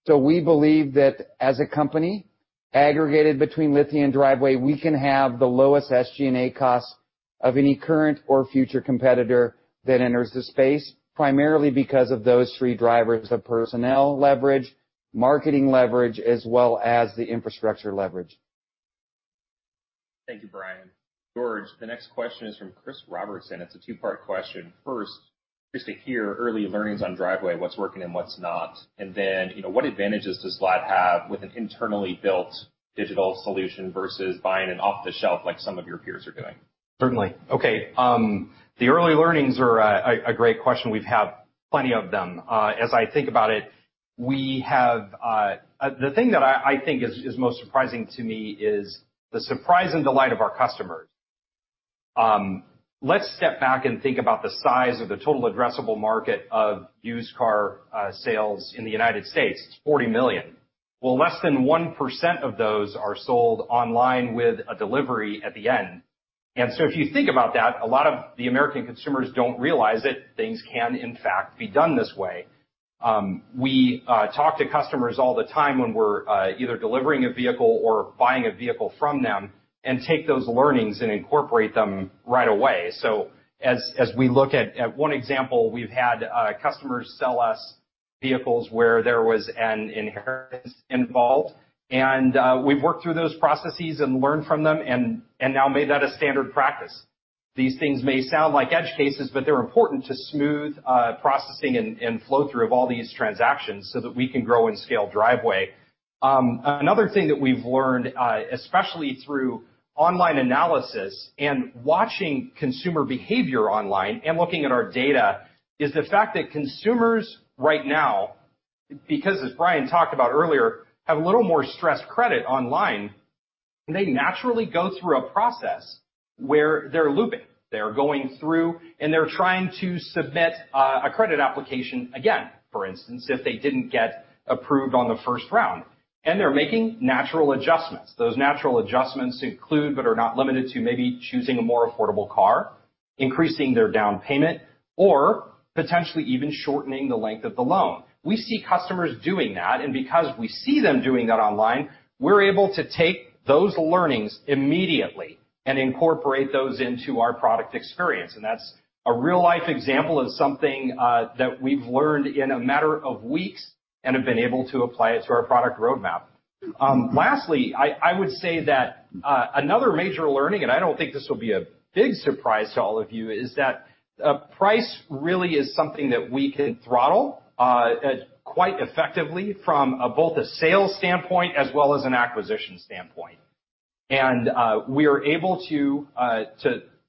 so we believe that as a company aggregated between Lithia and Driveway, we can have the lowest SG&A costs of any current or future competitor that enters the space, primarily because of those three drivers of personnel leverage, marketing leverage, as well as the infrastructure leverage. Thank you, Bryan. George, the next question is from Chris Robertson. It's a two-part question. First, just to hear early learnings on Driveway, what's working and what's not, and then what advantages does Lithia have with an internally built digital solution versus buying an off-the-shelf like some of your peers are doing? Certainly. Okay. The early learnings are a great question. We've had plenty of them. As I think about it, the thing that I think is most surprising to me is the surprise and delight of our customers. Let's step back and think about the size of the total addressable market of used car sales in the United States. It's 40 million. Less than 1% of those are sold online with a delivery at the end. And so if you think about that, a lot of the American consumers don't realize that things can, in fact, be done this way. We talk to customers all the time when we're either delivering a vehicle or buying a vehicle from them and take those learnings and incorporate them right away. So as we look at one example, we've had customers sell us vehicles where there was an inheritance involved, and we've worked through those processes and learned from them and now made that a standard practice. These things may sound like edge cases, but they're important to smooth processing and flow-through of all these transactions so that we can grow and scale Driveway. Another thing that we've learned, especially through online analysis and watching consumer behavior online and looking at our data, is the fact that consumers right now, because, as Brian talked about earlier, have a little more stressed credit online, they naturally go through a process where they're looping. They're going through, and they're trying to submit a credit application again, for instance, if they didn't get approved on the first round. And they're making natural adjustments. Those natural adjustments include, but are not limited to, maybe choosing a more affordable car, increasing their down payment, or potentially even shortening the length of the loan. We see customers doing that, and because we see them doing that online, we're able to take those learnings immediately and incorporate those into our product experience. And that's a real-life example of something that we've learned in a matter of weeks and have been able to apply it to our product roadmap. Lastly, I would say that another major learning, and I don't think this will be a big surprise to all of you, is that price really is something that we can throttle quite effectively from both a sales standpoint as well as an acquisition standpoint. And we are able to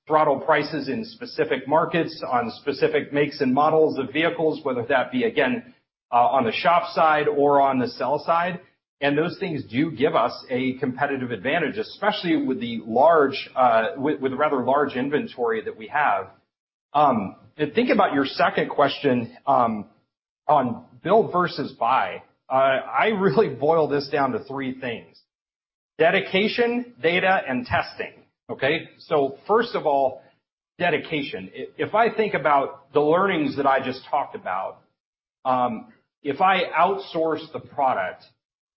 throttle prices in specific markets on specific makes and models of vehicles, whether that be, again, on the shop side or on the sell side. And those things do give us a competitive advantage, especially with the rather large inventory that we have. Think about your second question on build versus buy. I really boil this down to three things: dedication, data, and testing. Okay? So first of all, dedication. If I think about the learnings that I just talked about, if I outsource the product,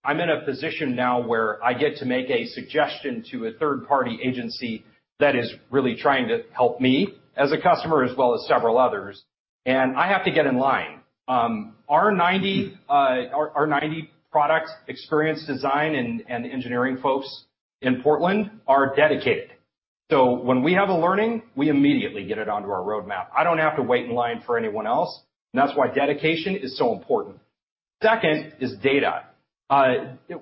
I'm in a position now where I get to make a suggestion to a third-party agency that is really trying to help me as a customer as well as several others, and I have to get in line. Our 90-product experience design and engineering folks in Portland are dedicated, so when we have a learning, we immediately get it onto our roadmap. I don't have to wait in line for anyone else, and that's why dedication is so important. Second is data.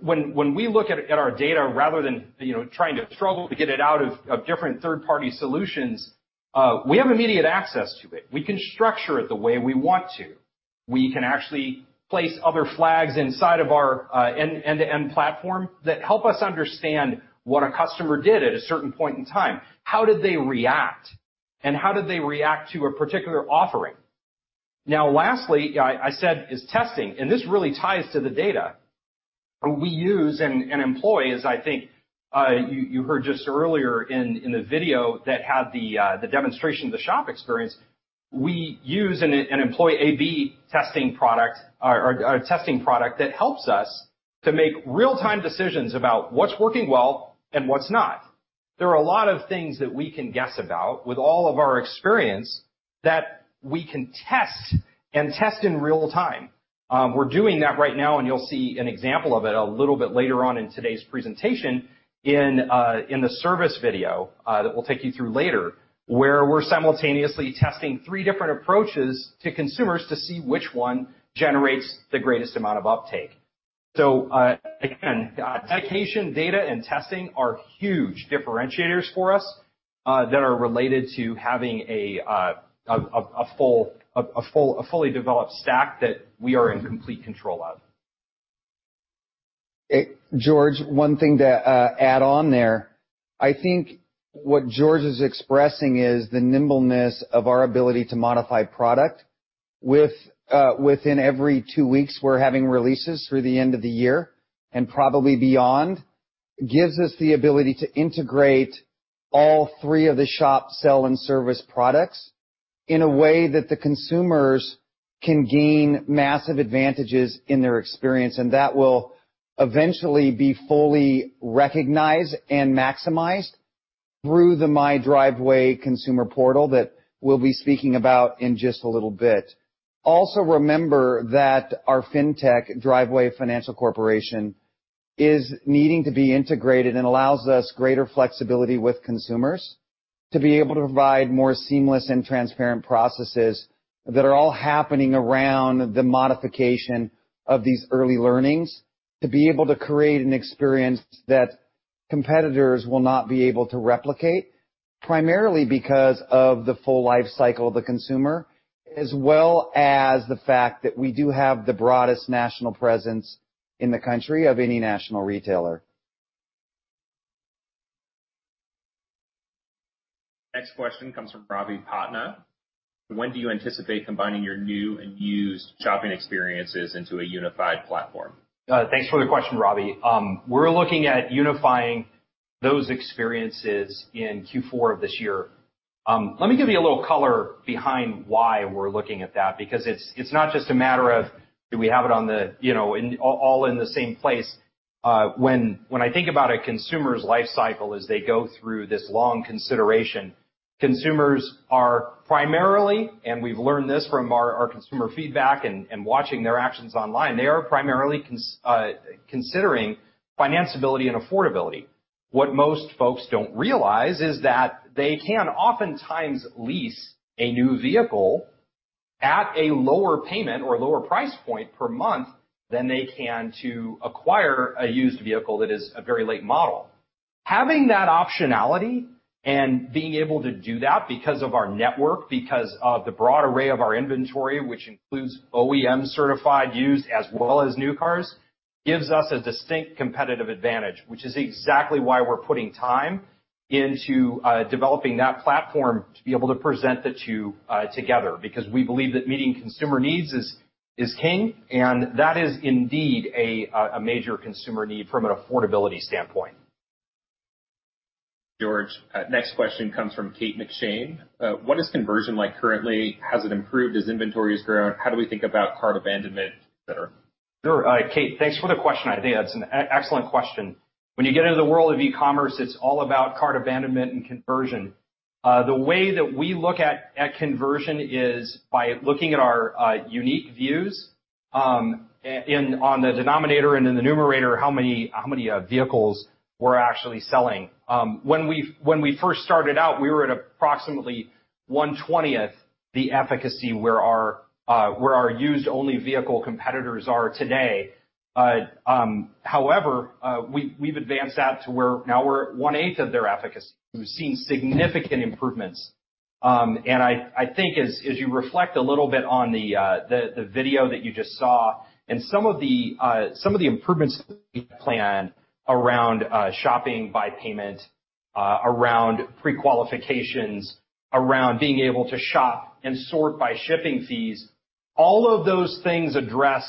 When we look at our data, rather than trying to struggle to get it out of different third-party solutions, we have immediate access to it. We can structure it the way we want to. We can actually place other flags inside of our end-to-end platform that help us understand what a customer did at a certain point in time. How did they react? And how did they react to a particular offering? Now, lastly, I said is testing. And this really ties to the data we use and employ, as I think you heard just earlier in the video that had the demonstration of the shop experience. We use an in-house A/B testing product that helps us to make real-time decisions about what's working well and what's not. There are a lot of things that we can guess about with all of our experience that we can test and test in real time. We're doing that right now, and you'll see an example of it a little bit later on in today's presentation in the service video that we'll take you through later where we're simultaneously testing three different approaches to consumers to see which one generates the greatest amount of uptake. So again, dedication, data, and testing are huge differentiators for us that are related to having a fully developed stack that we are in complete control of. George, one thing to add on there. I think what George is expressing is the nimbleness of our ability to modify product. Within every two weeks, we're having releases through the end of the year and probably beyond. It gives us the ability to integrate all three of the shop, sell, and service products in a way that the consumers can gain massive advantages in their experience, and that will eventually be fully recognized and maximized through the My Driveway consumer portal that we'll be speaking about in just a little bit. Also, remember that our fintech, Driveway Finance Corporation, is needing to be integrated and allows us greater flexibility with consumers to be able to provide more seamless and transparent processes that are all happening around the modification of these early learnings to be able to create an experience that competitors will not be able to replicate, primarily because of the full life cycle of the consumer, as well as the fact that we do have the broadest national presence in the country of any national retailer. Next question comes from Robby. When do you anticipate combining your new and used shopping experiences into a unified platform? Thanks for the question, Robby. We're looking at unifying those experiences in Q4 of this year. Let me give you a little color behind why we're looking at that, because it's not just a matter of, "Do we have it all in the same place?" When I think about a consumer's life cycle as they go through this long consideration, consumers are primarily, and we've learned this from our consumer feedback and watching their actions online, they are primarily considering financeability and affordability. What most folks don't realize is that they can oftentimes lease a new vehicle at a lower payment or lower price point per month than they can to acquire a used vehicle that is a very late model. Having that optionality and being able to do that because of our network, because of the broad array of our inventory, which includes OEM-certified used as well as new cars, gives us a distinct competitive advantage, which is exactly why we're putting time into developing that platform to be able to present it to you together, because we believe that meeting consumer needs is king, and that is indeed a major consumer need from an affordability standpoint. George, next question comes from Kate McShane. What is conversion like currently? Has it improved as inventory has grown? How do we think about cart abandonment, etc.? Sure. Kate, thanks for the question. I think that's an excellent question. When you get into the world of e-commerce, it's all about cart abandonment and conversion. The way that we look at conversion is by looking at our unique views on the denominator and in the numerator, how many vehicles we're actually selling. When we first started out, we were at approximately 1/20th the efficacy where our used-only vehicle competitors are today. However, we've advanced that to where now we're at 1/8th of their efficacy. We've seen significant improvements, and I think as you reflect a little bit on the video that you just saw, and some of the improvements that we have planned around shopping by payment, around pre-qualifications, around being able to shop and sort by shipping fees, all of those things address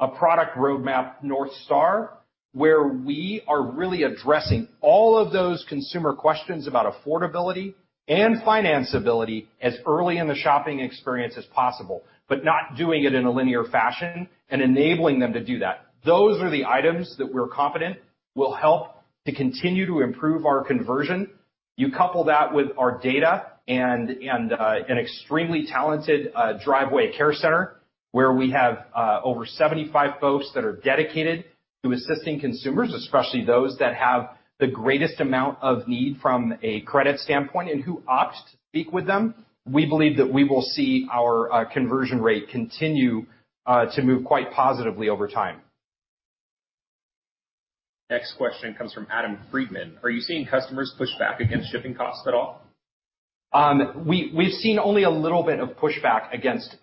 a product roadmap North Star, where we are really addressing all of those consumer questions about affordability and financeability as early in the shopping experience as possible, but not doing it in a linear fashion and enabling them to do that. Those are the items that we're confident will help to continue to improve our conversion. You couple that with our data and an extremely talented Driveway Care Center, where we have over 75 folks that are dedicated to assisting consumers, especially those that have the greatest amount of need from a credit standpoint and who opt to speak with them. We believe that we will see our conversion rate continue to move quite positively over time. Next question comes from Adam Friedman. Are you seeing customers push back against shipping costs at all? We've seen only a little bit of pushback against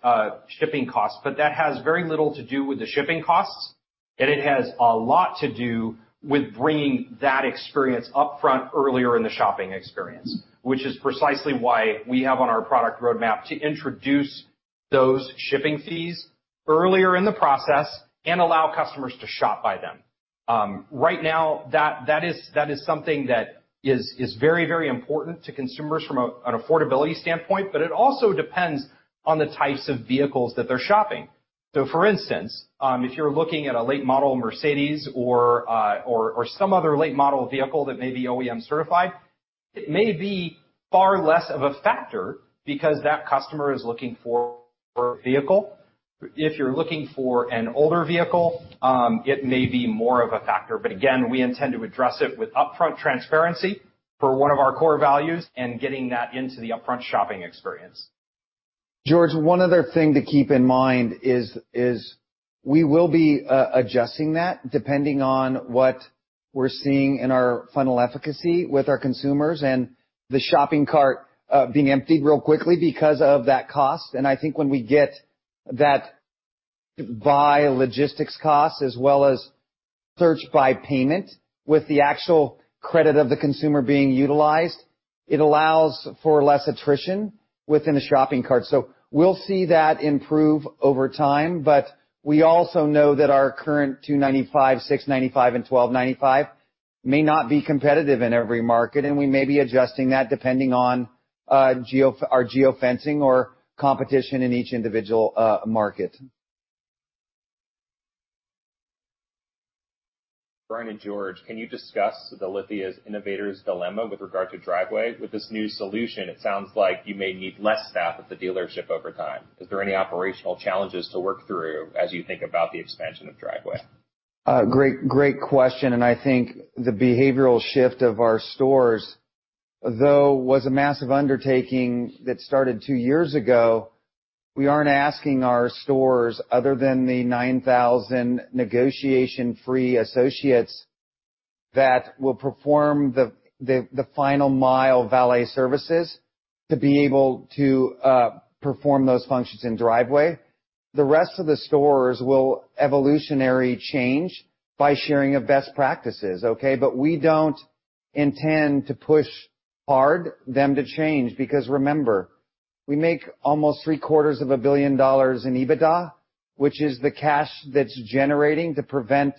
shipping costs, but that has very little to do with the shipping costs, and it has a lot to do with bringing that experience upfront earlier in the shopping experience, which is precisely why we have on our product roadmap to introduce those shipping fees earlier in the process and allow customers to shop by them. Right now, that is something that is very, very important to consumers from an affordability standpoint, but it also depends on the types of vehicles that they're shopping. So, for instance, if you're looking at a late model Mercedes or some other late model vehicle that may be OEM-certified, it may be far less of a factor because that customer is looking for a vehicle. If you're looking for an older vehicle, it may be more of a factor. But again, we intend to address it with upfront transparency for one of our core values and getting that into the upfront shopping experience. George, one other thing to keep in mind is we will be adjusting that depending on what we're seeing in our funnel efficacy with our consumers and the shopping cart being emptied real quickly because of that cost. And I think when we get that by logistics cost as well as search by payment with the actual credit of the consumer being utilized, it allows for less attrition within the shopping cart. So we'll see that improve over time, but we also know that our current $295, $695, and $1,295 may not be competitive in every market, and we may be adjusting that depending on our geofencing or competition in each individual market. Bryan and George, can you discuss Lithia's Innovator's Dilemma with regard to Driveway? With this new solution, it sounds like you may need less staff at the dealership over time. Is there any operational challenges to work through as you think about the expansion of Driveway? Great question. And I think the behavioral shift of our stores, though, was a massive undertaking that started two years ago. We aren't asking our stores, other than the 9,000 negotiation-free associates that will perform the final-mile valet services to be able to perform those functions in Driveway. The rest of the stores will evolutionarily change by sharing of best practices. Okay? But we don't intend to push them hard to change because, remember, we make almost $750 million in EBITDA, which is the cash that's generating to prevent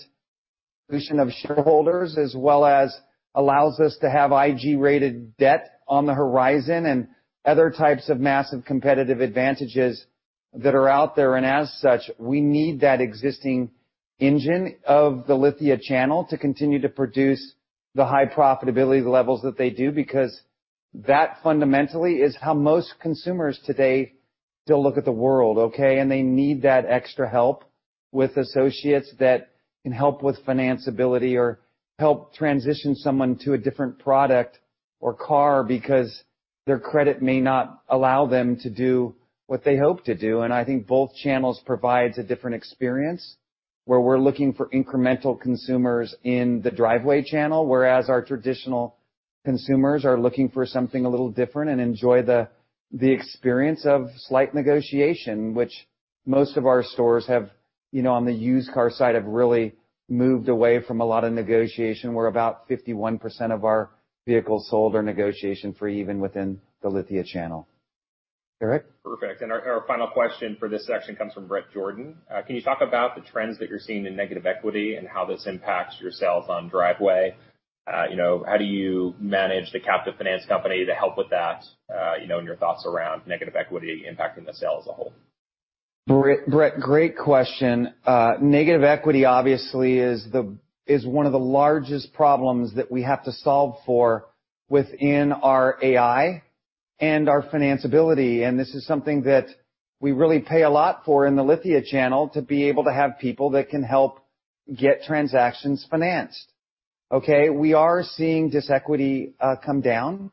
dilution of shareholders as well as allows us to have IG-rated debt on the horizon and other types of massive competitive advantages that are out there. And as such, we need that existing engine of the Lithia channel to continue to produce the high profitability levels that they do because that fundamentally is how most consumers today still look at the world. Okay? And they need that extra help with associates that can help with financeability or help transition someone to a different product or car because their credit may not allow them to do what they hope to do. I think both channels provide a different experience where we're looking for incremental consumers in the Driveway channel, whereas our traditional consumers are looking for something a little different and enjoy the experience of slight negotiation, which most of our stores on the used car side have really moved away from a lot of negotiation. We're about 51% of our vehicles sold or negotiation-free even within the Lithia channel. Eric? Perfect. Our final question for this section comes from Bret Jordan. Can you talk about the trends that you're seeing in negative equity and how this impacts your sales on Driveway? How do you manage the captive finance company to help with that and your thoughts around negative equity impacting the sale as a whole? Brett, great question. Negative equity obviously is one of the largest problems that we have to solve for within our AI and our financeability. And this is something that we really pay a lot for in the Lithia channel to be able to have people that can help get transactions financed. Okay? We are seeing this equity come down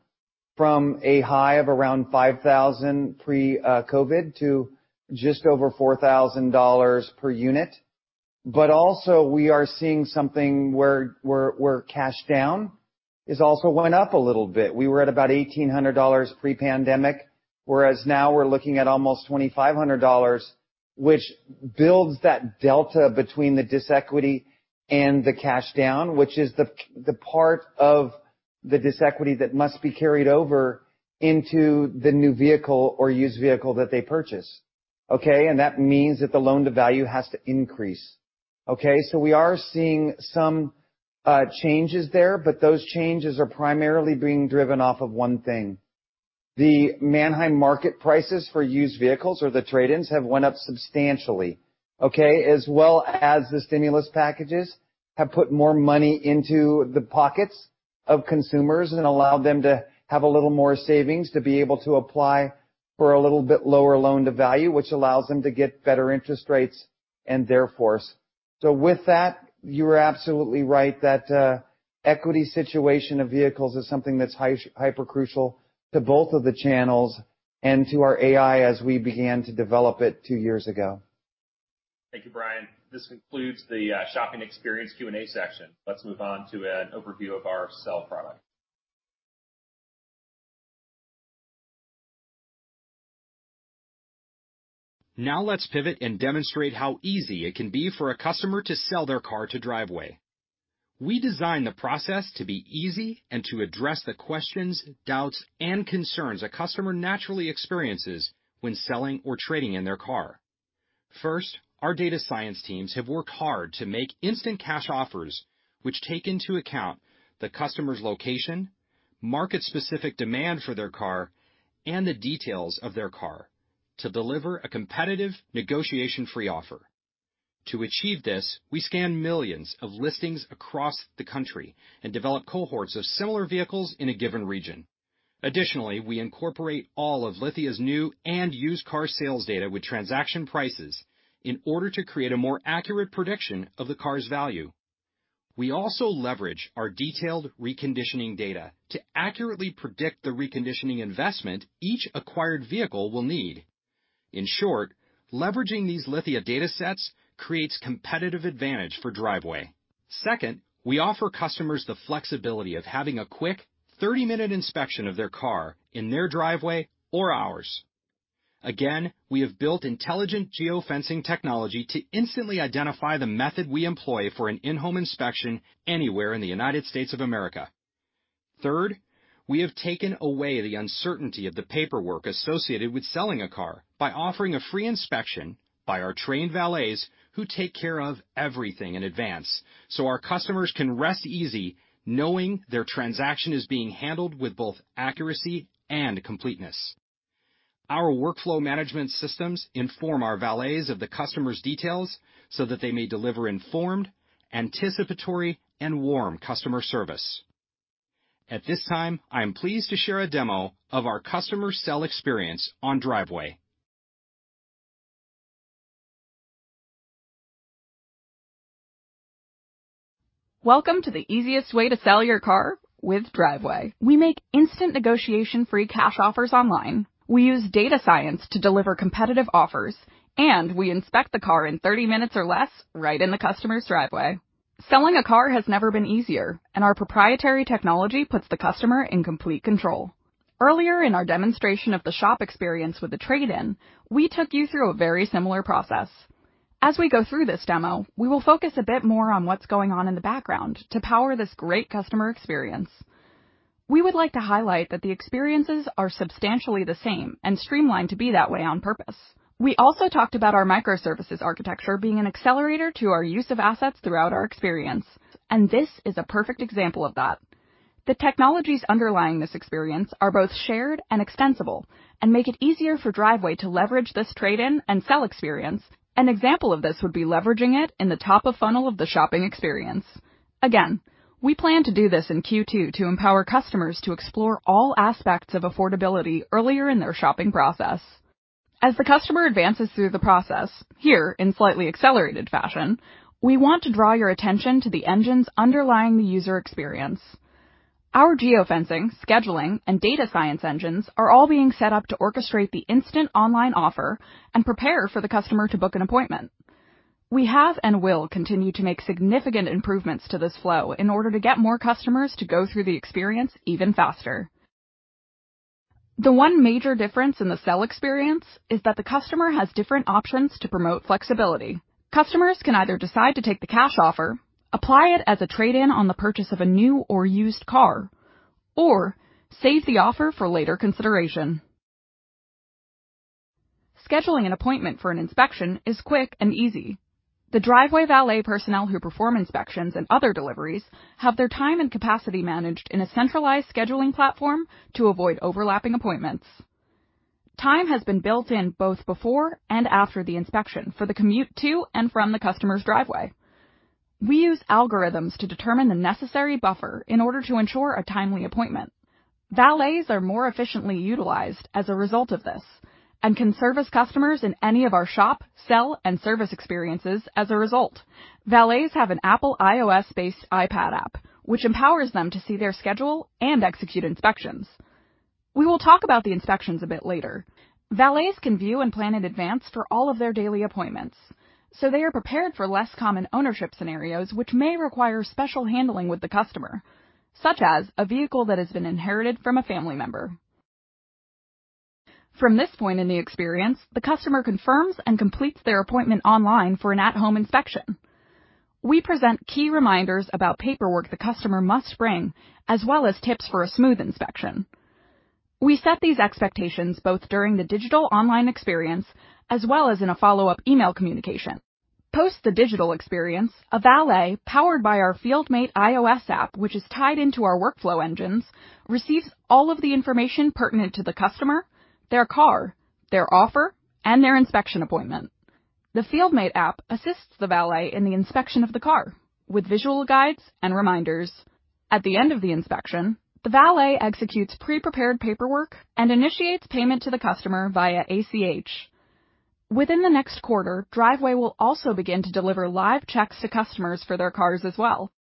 from a high of around $5,000 pre-COVID to just over $4,000 per unit. But also, we are seeing something where cash down has also went up a little bit. We were at about $1,800 pre-pandemic, whereas now we're looking at almost $2,500, which builds that delta between the disequity and the cash down, which is the part of the disequity that must be carried over into the new vehicle or used vehicle that they purchase. Okay? And that means that the loan-to-value has to increase. Okay? So we are seeing some changes there, but those changes are primarily being driven off of one thing. The Manheim market prices for used vehicles or the trade-ins have went up substantially. Okay? As well as the stimulus packages have put more money into the pockets of consumers and allowed them to have a little more savings to be able to apply for a little bit lower loan-to-value, which allows them to get better interest rates and therefore. So with that, you are absolutely right that the equity situation of vehicles is something that's hyper-crucial to both of the channels and to our AI as we began to develop it two years ago. Thank you, Bryan. This concludes the shopping experience Q&A section. Let's move on to an overview of our sell product. Now let's pivot and demonstrate how easy it can be for a customer to sell their car to Driveway. We designed the process to be easy and to address the questions, doubts, and concerns a customer naturally experiences when selling or trading in their car. First, our data science teams have worked hard to make instant cash offers, which take into account the customer's location, market-specific demand for their car, and the details of their car to deliver a competitive negotiation-free offer. To achieve this, we scan millions of listings across the country and develop cohorts of similar vehicles in a given region. Additionally, we incorporate all of Lithia's new and used car sales data with transaction prices in order to create a more accurate prediction of the car's value. We also leverage our detailed reconditioning data to accurately predict the reconditioning investment each acquired vehicle will need. In short, leveraging these Lithia data sets creates competitive advantage for Driveway. Second, we offer customers the flexibility of having a quick 30-minute inspection of their car in their driveway or ours. Again, we have built intelligent geofencing technology to instantly identify the method we employ for an in-home inspection anywhere in the United States of America. Third, we have taken away the uncertainty of the paperwork associated with selling a car by offering a free inspection by our trained valets who take care of everything in advance so our customers can rest easy knowing their transaction is being handled with both accuracy and completeness. Our workflow management systems inform our valets of the customer's details so that they may deliver informed, anticipatory, and warm customer service. At this time, I am pleased to share a demo of our customer sell experience on Driveway. Welcome to the easiest way to sell your car with Driveway. We make instant negotiation-free cash offers online. We use data science to deliver competitive offers, and we inspect the car in 30 minutes or less right in the customer's Driveway. Selling a car has never been easier, and our proprietary technology puts the customer in complete control. Earlier in our demonstration of the shop experience with the trade-in, we took you through a very similar process. As we go through this demo, we will focus a bit more on what's going on in the background to power this great customer experience. We would like to highlight that the experiences are substantially the same and streamlined to be that way on purpose. We also talked about our microservices architecture being an accelerator to our use of assets throughout our experience, and this is a perfect example of that. The technologies underlying this experience are both shared and extensible and make it easier for Driveway to leverage this trade-in and sell experience. An example of this would be leveraging it in the top of funnel of the shopping experience. Again, we plan to do this in Q2 to empower customers to explore all aspects of affordability earlier in their shopping process. As the customer advances through the process, here in slightly accelerated fashion, we want to draw your attention to the engines underlying the user experience. Our geofencing, scheduling, and data science engines are all being set up to orchestrate the instant online offer and prepare for the customer to book an appointment. We have and will continue to make significant improvements to this flow in order to get more customers to go through the experience even faster. The one major difference in the sell experience is that the customer has different options to promote flexibility. Customers can either decide to take the cash offer, apply it as a trade-in on the purchase of a new or used car, or save the offer for later consideration. Scheduling an appointment for an inspection is quick and easy. The Driveway Valet personnel who perform inspections and other deliveries have their time and capacity managed in a centralized scheduling platform to avoid overlapping appointments. Time has been built in both before and after the inspection for the commute to and from the customer's Driveway. We use algorithms to determine the necessary buffer in order to ensure a timely appointment. Valets are more efficiently utilized as a result of this and can service customers in any of our shop, sell, and service experiences as a result. Valets have an Apple iOS-based iPad app, which empowers them to see their schedule and execute inspections. We will talk about the inspections a bit later. Valets can view and plan in advance for all of their daily appointments, so they are prepared for less common ownership scenarios which may require special handling with the customer, such as a vehicle that has been inherited from a family member. From this point in the experience, the customer confirms and completes their appointment online for an at-home inspection. We present key reminders about paperwork the customer must bring as well as tips for a smooth inspection. We set these expectations both during the digital online experience as well as in a follow-up email communication. Post the digital experience, a valet powered by our FieldMate iOS app, which is tied into our workflow engines, receives all of the information pertinent to the customer, their car, their offer, and their inspection appointment. The FieldMate app assists the valet in the inspection of the car with visual guides and reminders. At the end of the inspection, the valet executes pre-prepared paperwork and initiates payment to the customer via ACH. Within the next quarter, Driveway will also begin to deliver live checks to customers for their cars as well.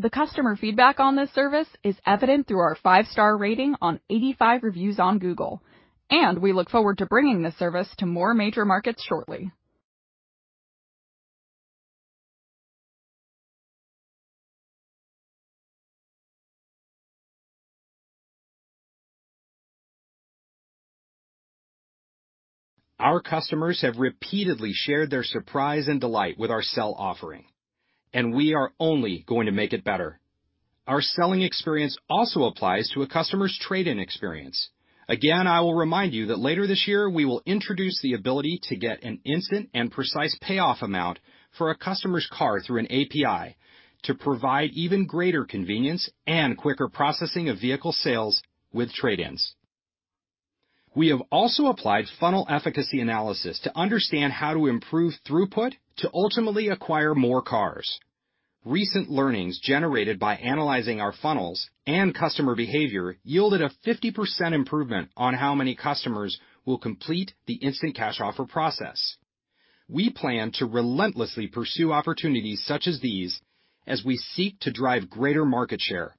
The customer feedback on this service is evident through our five-star rating on 85 reviews on Google, and we look forward to bringing this service to more major markets shortly. Our customers have repeatedly shared their surprise and delight with our sell offering, and we are only going to make it better. Our selling experience also applies to a customer's trade-in experience. Again, I will remind you that later this year, we will introduce the ability to get an instant and precise payoff amount for a customer's car through an API to provide even greater convenience and quicker processing of vehicle sales with trade-ins. We have also applied funnel efficacy analysis to understand how to improve throughput to ultimately acquire more cars. Recent learnings generated by analyzing our funnels and customer behavior yielded a 50% improvement on how many customers will complete the instant cash offer process. We plan to relentlessly pursue opportunities such as these as we seek to drive greater market share.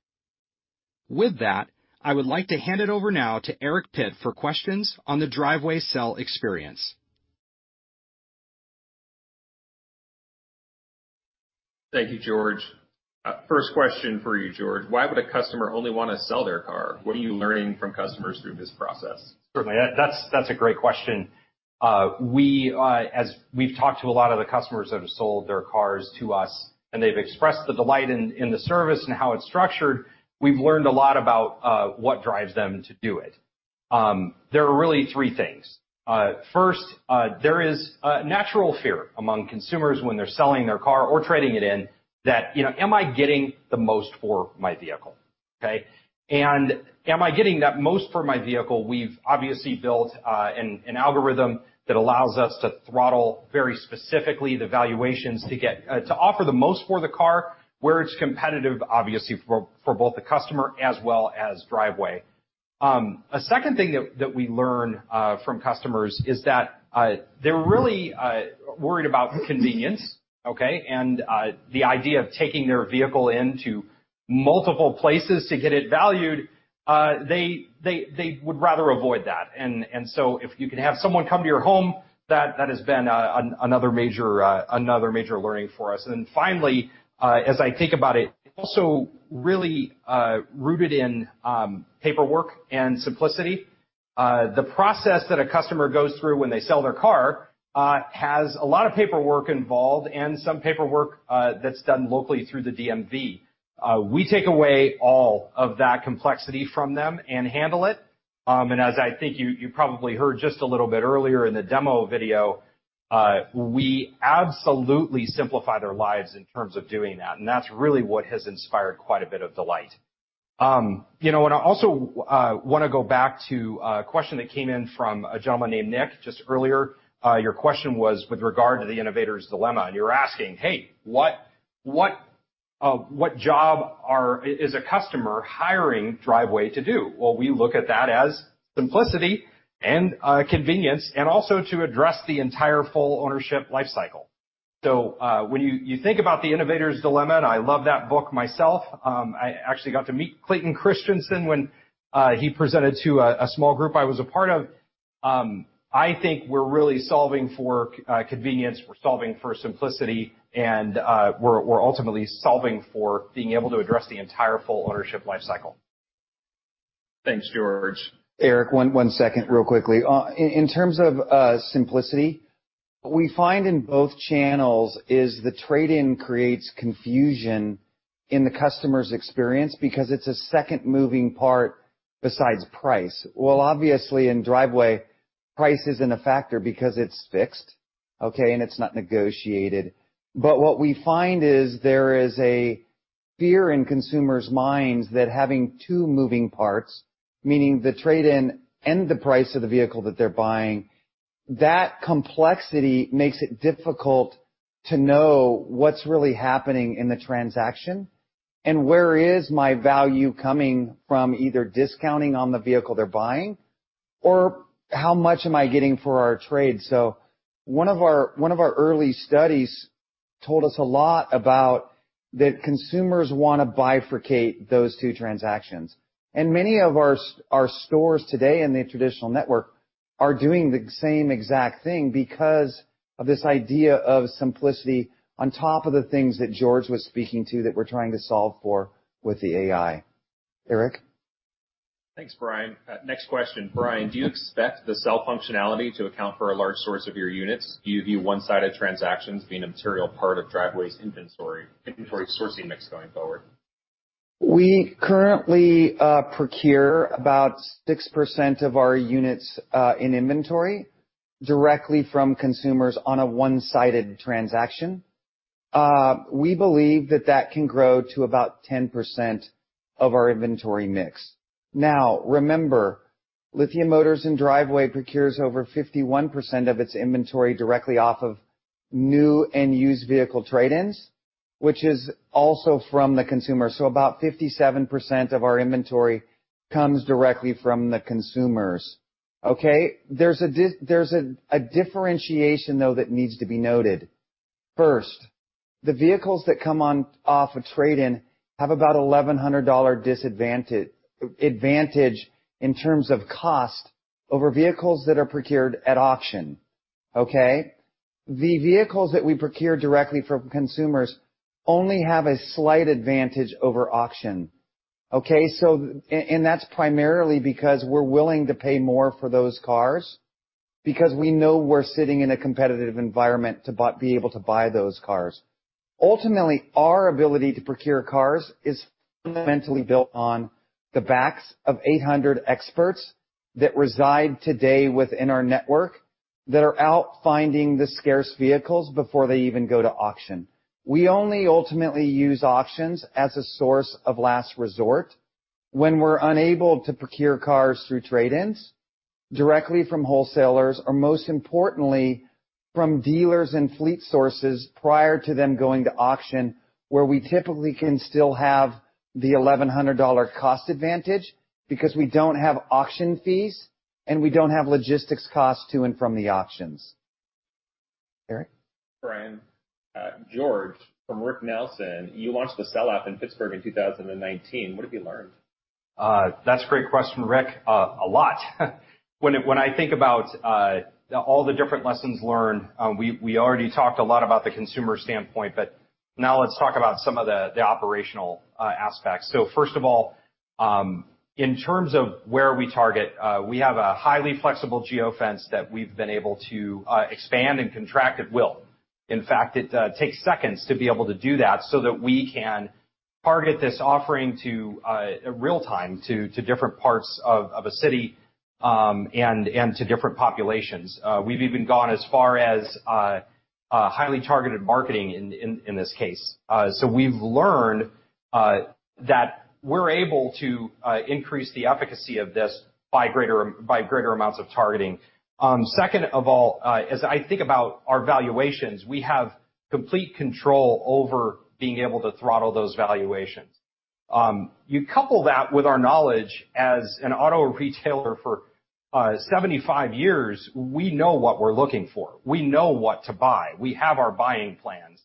With that, I would like to hand it over now to Eric Pitt for questions on the Driveway sell experience. Thank you, George. First question for you, George. Why would a customer only want to sell their car? What are you learning from customers through this process? Certainly. That's a great question. As we've talked to a lot of the customers that have sold their cars to us, and they've expressed the delight in the service and how it's structured, we've learned a lot about what drives them to do it. There are really three things. First, there is a natural fear among consumers when they're selling their car or trading it in that, "Am I getting the most for my vehicle?" Okay? And, "Am I getting the most for my vehicle?" We've obviously built an algorithm that allows us to throttle very specifically the valuations to offer the most for the car where it's competitive, obviously, for both the customer as well as Driveway. A second thing that we learn from customers is that they're really worried about convenience. Okay? And the idea of taking their vehicle into multiple places to get it valued, they would rather avoid that. And so if you can have someone come to your home, that has been another major learning for us. And then finally, as I think about it, also really rooted in paperwork and simplicity. The process that a customer goes through when they sell their car has a lot of paperwork involved and some paperwork that's done locally through the DMV. We take away all of that complexity from them and handle it. And as I think you probably heard just a little bit earlier in the demo video, we absolutely simplify their lives in terms of doing that. And that's really what has inspired quite a bit of delight. And I also want to go back to a question that came in from a gentleman named Nick just earlier. Your question was with regard to the innovator's dilemma, and you're asking, "Hey, what job is a customer hiring Driveway to do?" Well, we look at that as simplicity and convenience and also to address the entire full ownership lifecycle, so when you think about the innovator's dilemma, and I love that book myself, I actually got to meet Clayton Christensen when he presented to a small group I was a part of. I think we're really solving for convenience. We're solving for simplicity, and we're ultimately solving for being able to address the entire full ownership lifecycle. Thanks, George. Eric, one second real quickly. In terms of simplicity, what we find in both channels is the trade-in creates confusion in the customer's experience because it's a second moving part besides price. Well, obviously, in Driveway, price isn't a factor because it's fixed, okay? And it's not negotiated. But what we find is there is a fear in consumers' minds that having two moving parts, meaning the trade-in and the price of the vehicle that they're buying. That complexity makes it difficult to know what's really happening in the transaction and where is my value coming from either discounting on the vehicle they're buying or how much am I getting for our trade. So one of our early studies told us a lot about that. Consumers want to bifurcate those two transactions. And many of our stores today in the traditional network are doing the same exact thing because of this idea of simplicity on top of the things that George was speaking to that we're trying to solve for with the AI. Eric? Thanks, Bryan. Next question. Bryan, do you expect the sell functionality to account for a large source of your units? Do you view one-sided transactions being a material part of Driveway's inventory sourcing mix going forward? We currently procure about 6% of our units in inventory directly from consumers on a one-sided transaction. We believe that that can grow to about 10% of our inventory mix. Now, remember, Lithia Motors and Driveway procures over 51% of its inventory directly off of new and used vehicle trade-ins, which is also from the consumer. So about 57% of our inventory comes directly from the consumers. Okay? There's a differentiation, though, that needs to be noted. First, the vehicles that come off a trade-in have about $1,100 advantage in terms of cost over vehicles that are procured at auction. Okay? The vehicles that we procure directly from consumers only have a slight advantage over auction. Okay? And that's primarily because we're willing to pay more for those cars because we know we're sitting in a competitive environment to be able to buy those cars. Ultimately, our ability to procure cars is fundamentally built on the backs of 800 experts that reside today within our network that are out finding the scarce vehicles before they even go to auction. We only ultimately use auctions as a source of last resort when we're unable to procure cars through trade-ins directly from wholesalers or, most importantly, from dealers and fleet sources prior to them going to auction, where we typically can still have the $1,100 cost advantage because we don't have auction fees and we don't have logistics costs to and from the auctions. Eric? Bryan, George, from Rick Nelson, you launched the sell app in Pittsburgh in 2019. What have you learned? That's a great question, Rick. A lot. When I think about all the different lessons learned, we already talked a lot about the consumer standpoint, but now let's talk about some of the operational aspects. So first of all, in terms of where we target, we have a highly flexible geofence that we've been able to expand and contract at will. In fact, it takes seconds to be able to do that so that we can target this offering real-time to different parts of a city and to different populations. We've even gone as far as highly targeted marketing in this case. So we've learned that we're able to increase the efficacy of this by greater amounts of targeting. Second of all, as I think about our valuations, we have complete control over being able to throttle those valuations. You couple that with our knowledge as an auto retailer for 75 years, we know what we're looking for. We know what to buy. We have our buying plans.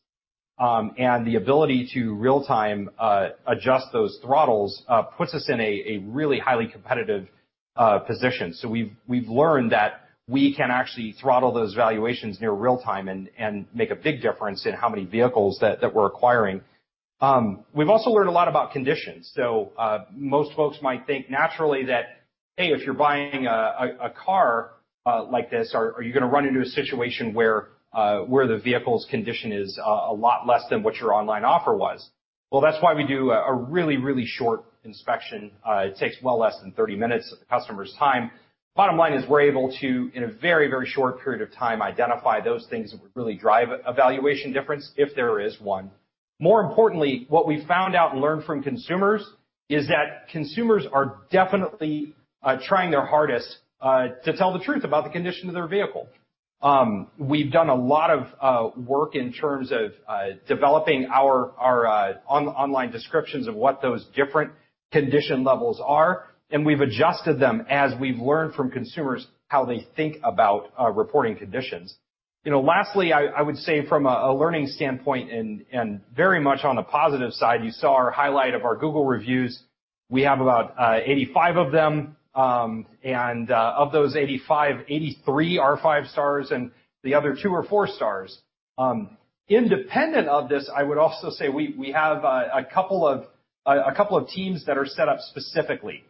And the ability to real-time adjust those throttles puts us in a really highly competitive position. So we've learned that we can actually throttle those valuations near real-time and make a big difference in how many vehicles that we're acquiring. We've also learned a lot about conditions. So most folks might think naturally that, "Hey, if you're buying a car like this, are you going to run into a situation where the vehicle's condition is a lot less than what your online offer was?" Well, that's why we do a really, really short inspection. It takes well less than 30 minutes of the customer's time. Bottom line is we're able to, in a very, very short period of time, identify those things that would really drive a valuation difference if there is one. More importantly, what we found out and learned from consumers is that consumers are definitely trying their hardest to tell the truth about the condition of their vehicle. We've done a lot of work in terms of developing our online descriptions of what those different condition levels are, and we've adjusted them as we've learned from consumers how they think about reporting conditions. Lastly, I would say from a learning standpoint and very much on a positive side, you saw our highlight of our Google reviews. We have about 85 of them. And of those 85, 83 are five stars and the other two are four stars. Independent of this, I would also say we have a couple of teams that are set up specifically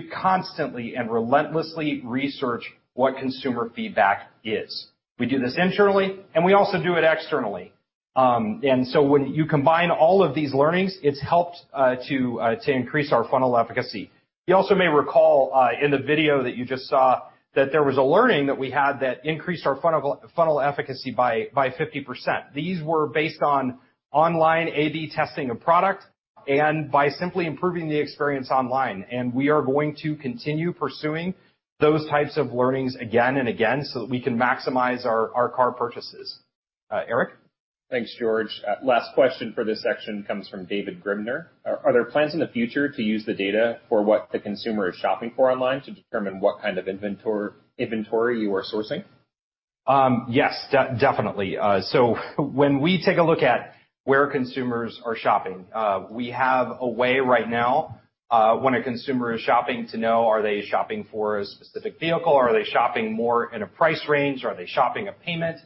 to constantly and relentlessly research what consumer feedback is. We do this internally, and we also do it externally. So when you combine all of these learnings, it's helped to increase our funnel efficacy. You also may recall in the video that you just saw that there was a learning that we had that increased our funnel efficacy by 50%. These were based on online A/B testing of product and by simply improving the experience online. We are going to continue pursuing those types of learnings again and again so that we can maximize our car purchases. Eric? Thanks, George. Last question for this section comes from David Grimner. Are there plans in the future to use the data for what the consumer is shopping for online to determine what kind of inventory you are sourcing? Yes, definitely. So when we take a look at where consumers are shopping, we have a way right now when a consumer is shopping to know, are they shopping for a specific vehicle? Are they shopping more in a price range? Are they shopping a payment?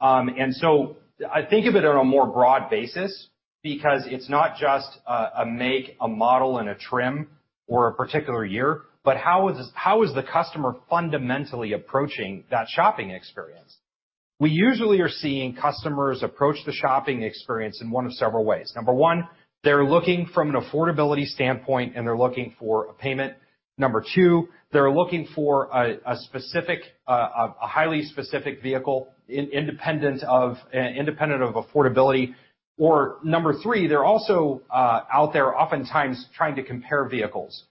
And so I think of it on a more broad basis because it's not just a make, a model, and a trim or a particular year, but how is the customer fundamentally approaching that shopping experience? We usually are seeing customers approach the shopping experience in one of several ways. Number one, they're looking from an affordability standpoint, and they're looking for a payment. Number two, they're looking for a highly specific vehicle independent of affordability. Or number three, they're also out there oftentimes trying to compare vehicles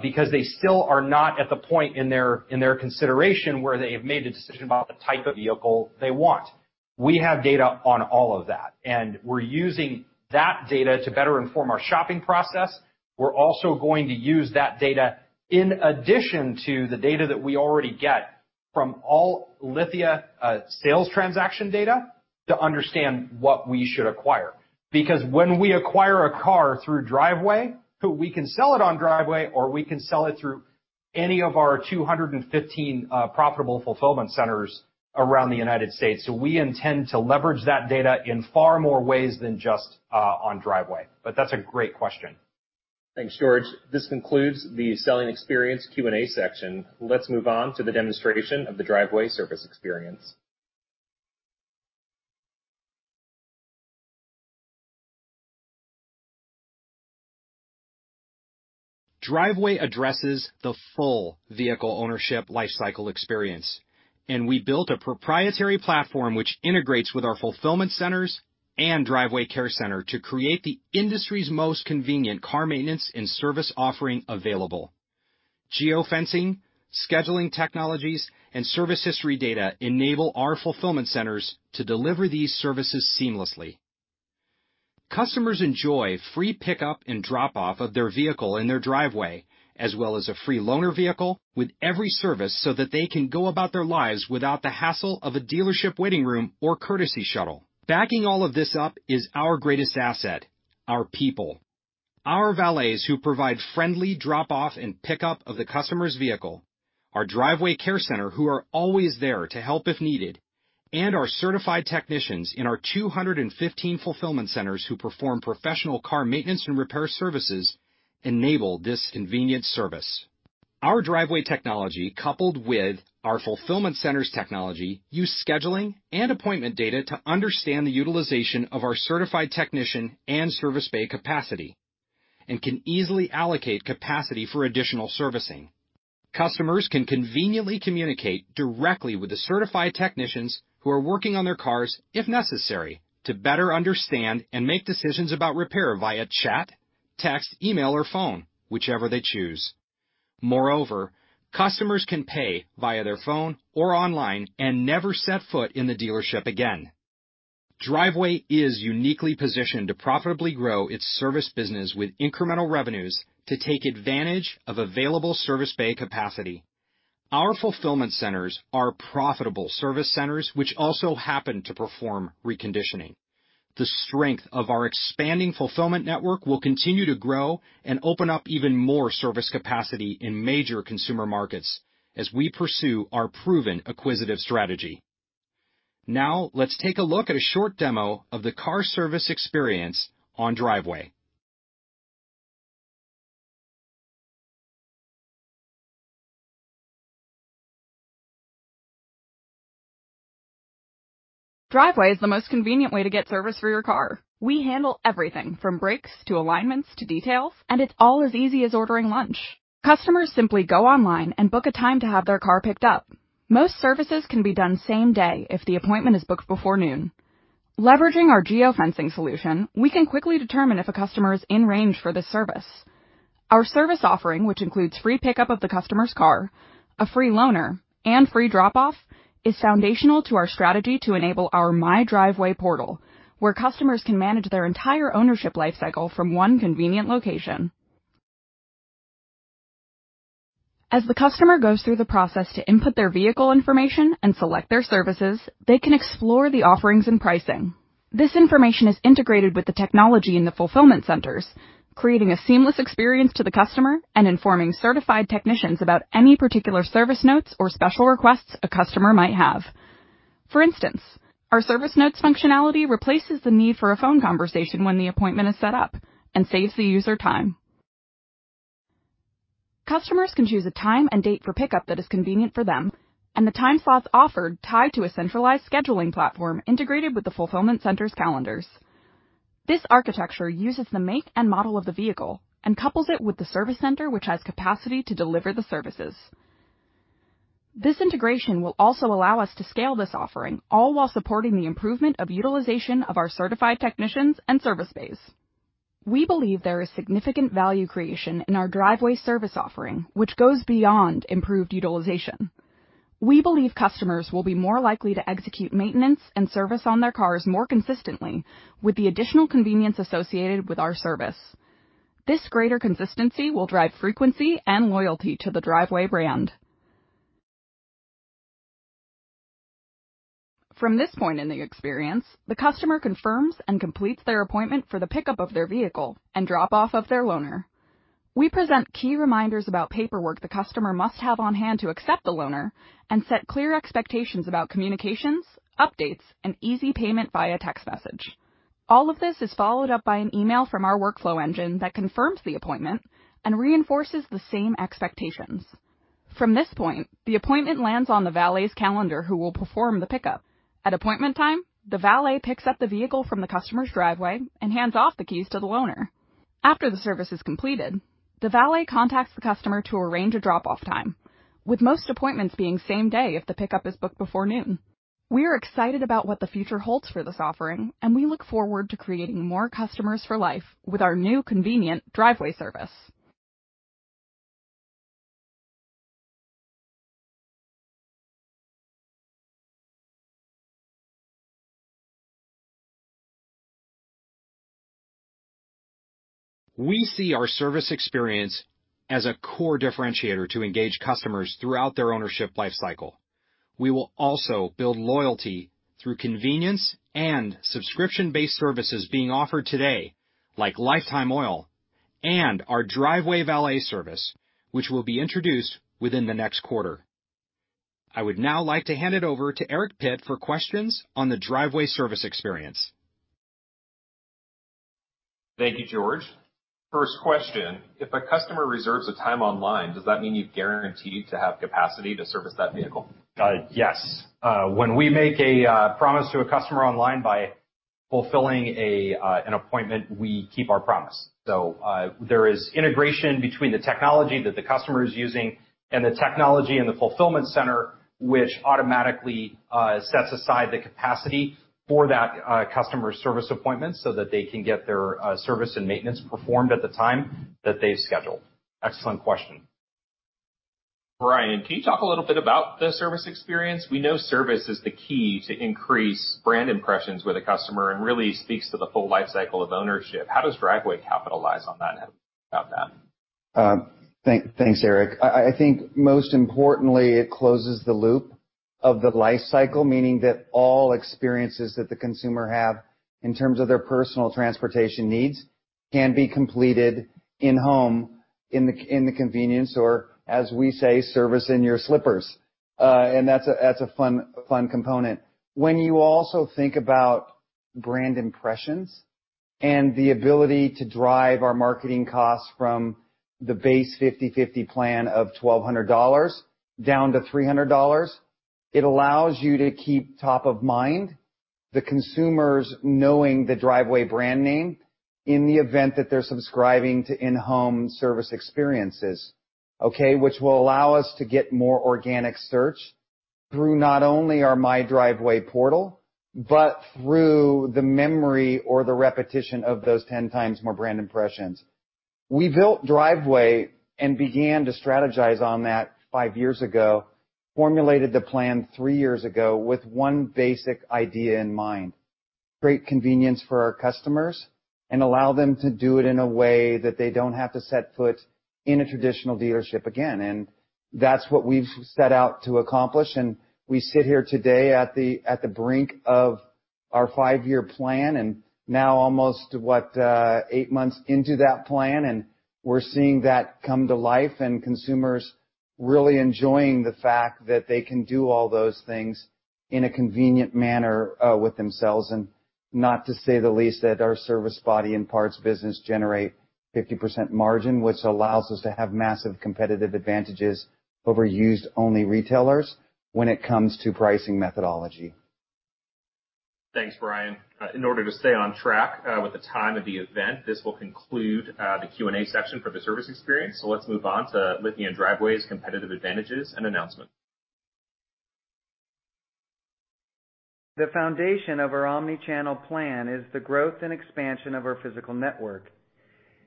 because they still are not at the point in their consideration where they have made a decision about the type of vehicle they want. We have data on all of that. And we're using that data to better inform our shopping process. We're also going to use that data in addition to the data that we already get from all Lithia sales transaction data to understand what we should acquire. Because when we acquire a car through Driveway, we can sell it on Driveway, or we can sell it through any of our 215 profitable fulfillment centers around the United States. So we intend to leverage that data in far more ways than just on Driveway. But that's a great question. Thanks, George. This concludes the selling experience Q&A section. Let's move on to the demonstration of the Driveway service experience. Driveway addresses the full vehicle ownership lifecycle experience. And we built a proprietary platform which integrates with our fulfillment centers and Driveway Care Center to create the industry's most convenient car maintenance and service offering available. Geofencing, scheduling technologies, and service history data enable our fulfillment centers to deliver these services seamlessly. Customers enjoy free pickup and drop-off of their vehicle in their driveway, as well as a free loaner vehicle with every service so that they can go about their lives without the hassle of a dealership waiting room or courtesy shuttle. Backing all of this up is our greatest asset, our people. Our valets who provide friendly drop-off and pickup of the customer's vehicle, our Driveway Care Center who are always there to help if needed, and our certified technicians in our 215 fulfillment centers who perform professional car maintenance and repair services enable this convenient service. Our Driveway technology, coupled with our fulfillment center's technology, uses scheduling and appointment data to understand the utilization of our certified technician and service bay capacity and can easily allocate capacity for additional servicing. Customers can conveniently communicate directly with the certified technicians who are working on their cars, if necessary, to better understand and make decisions about repair via chat, text, email, or phone, whichever they choose. Moreover, customers can pay via their phone or online and never set foot in the dealership again. Driveway is uniquely positioned to profitably grow its service business with incremental revenues to take advantage of available service bay capacity. Our fulfillment centers are profitable service centers, which also happen to perform reconditioning. The strength of our expanding fulfillment network will continue to grow and open up even more service capacity in major consumer markets as we pursue our proven acquisitive strategy. Now, let's take a look at a short demo of the car service experience on Driveway. Driveway is the most convenient way to get service for your car. We handle everything from brakes to alignments to details, and it's all as easy as ordering lunch. Customers simply go online and book a time to have their car picked up. Most services can be done same day if the appointment is booked before noon. Leveraging our geofencing solution, we can quickly determine if a customer is in range for this service. Our service offering, which includes free pickup of the customer's car, a free loaner, and free drop-off, is foundational to our strategy to enable our My Driveway portal, where customers can manage their entire ownership lifecycle from one convenient location. As the customer goes through the process to input their vehicle information and select their services, they can explore the offerings and pricing. This information is integrated with the technology in the fulfillment centers, creating a seamless experience to the customer and informing certified technicians about any particular service notes or special requests a customer might have. For instance, our service notes functionality replaces the need for a phone conversation when the appointment is set up and saves the user time. Customers can choose a time and date for pickup that is convenient for them, and the time slots offered tie to a centralized scheduling platform integrated with the fulfillment center's calendars. This architecture uses the make and model of the vehicle and couples it with the service center, which has capacity to deliver the services. This integration will also allow us to scale this offering, all while supporting the improvement of utilization of our certified technicians and service bays. We believe there is significant value creation in our Driveway service offering, which goes beyond improved utilization. We believe customers will be more likely to execute maintenance and service on their cars more consistently, with the additional convenience associated with our service. This greater consistency will drive frequency and loyalty to the Driveway brand. From this point in the experience, the customer confirms and completes their appointment for the pickup of their vehicle and drop-off of their loaner. We present key reminders about paperwork the customer must have on hand to accept the loaner and set clear expectations about communications, updates, and easy payment via text message. All of this is followed up by an email from our workflow engine that confirms the appointment and reinforces the same expectations. From this point, the appointment lands on the valet's calendar who will perform the pickup. At appointment time, the valet picks up the vehicle from the customer's driveway and hands off the keys to the loaner. After the service is completed, the valet contacts the customer to arrange a drop-off time, with most appointments being same day if the pickup is booked before noon. We are excited about what the future holds for this offering, and we look forward to creating more customers for life with our new convenient Driveway service. We see our service experience as a core differentiator to engage customers throughout their ownership lifecycle. We will also build loyalty through convenience and subscription-based services being offered today, like Lifetime Oil and our Driveway Valet service, which will be introduced within the next quarter. I would now like to hand it over to Eric Pitt for questions on the Driveway service experience. Thank you, George. First question, if a customer reserves a time online, does that mean you've guaranteed to have capacity to service that vehicle? Yes. When we make a promise to a customer online by fulfilling an appointment, we keep our promise. So there is integration between the technology that the customer is using and the technology in the fulfillment center, which automatically sets aside the capacity for that customer's service appointment so that they can get their service and maintenance performed at the time that they've scheduled. Excellent question. Bryan, can you talk a little bit about the service experience? We know service is the key to increase brand impressions with a customer and really speaks to the full lifecycle of ownership. How does Driveway capitalize on that? Thanks, Eric. I think most importantly, it closes the loop of the lifecycle, meaning that all experiences that the consumer have in terms of their personal transportation needs can be completed in-home in the convenience or, as we say, service in your slippers. And that's a fun component. When you also think about brand impressions and the ability to drive our marketing costs from the base 50/50 Plan of $1,200 down to $300, it allows you to keep top of mind the consumers knowing the Driveway brand name in the event that they're subscribing to in-home service experiences, which will allow us to get more organic search through not only our My Driveway portal, but through the memory or the repetition of those 10 times more brand impressions. We built Driveway and began to strategize on that five years ago, formulated the plan three years ago with one basic idea in mind: great convenience for our customers and allow them to do it in a way that they don't have to set foot in a traditional dealership again, and that's what we've set out to accomplish. And we sit here today at the brink of our five-year plan and now almost what, eight months into that plan, and we're seeing that come to life and consumers really enjoying the fact that they can do all those things in a convenient manner with themselves. And not to say the least, that our service body and parts business generate 50% margin, which allows us to have massive competitive advantages over used-only retailers when it comes to pricing methodology. Thanks, Bryan. In order to stay on track with the time of the event, this will conclude the Q&A section for the service experience, so let's move on to Lithia and Driveway's competitive advantages and announcement. The foundation of our omnichannel plan is the growth and expansion of our physical network.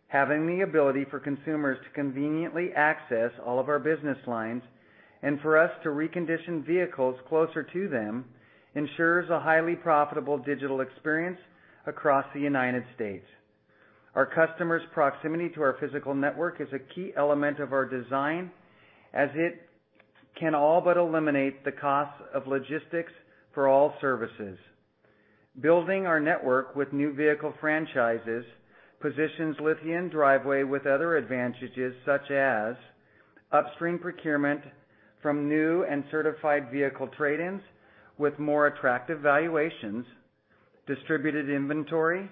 Having the ability for consumers to conveniently access all of our business lines and for us to recondition vehicles closer to them ensures a highly profitable digital experience across the United States. Our customer's proximity to our physical network is a key element of our design, as it can all but eliminate the costs of logistics for all services. Building our network with new vehicle franchises positions Lithia and Driveway with other advantages, such as upstream procurement from new and certified vehicle trade-ins with more attractive valuations, distributed inventory,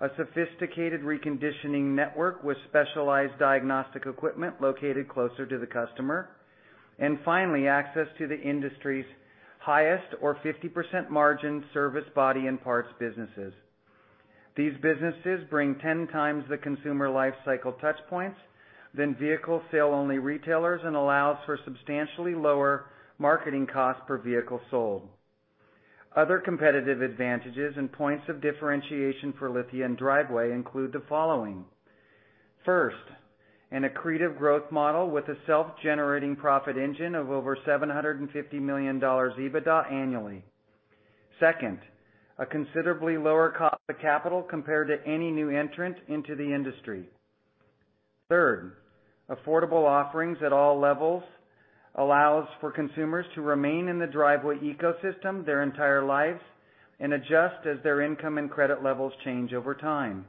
a sophisticated reconditioning network with specialized diagnostic equipment located closer to the customer, and finally, access to the industry's highest or 50% margin service body and parts businesses. These businesses bring 10 times the consumer lifecycle touchpoints than vehicle sale-only retailers and allows for substantially lower marketing costs per vehicle sold. Other competitive advantages and points of differentiation for Lithia and Driveway include the following. First, an accretive growth model with a self-generating profit engine of over $750 million EBITDA annually. Second, a considerably lower cost of capital compared to any new entrant into the industry. Third, affordable offerings at all levels allow for consumers to remain in the Driveway ecosystem their entire lives and adjust as their income and credit levels change over time.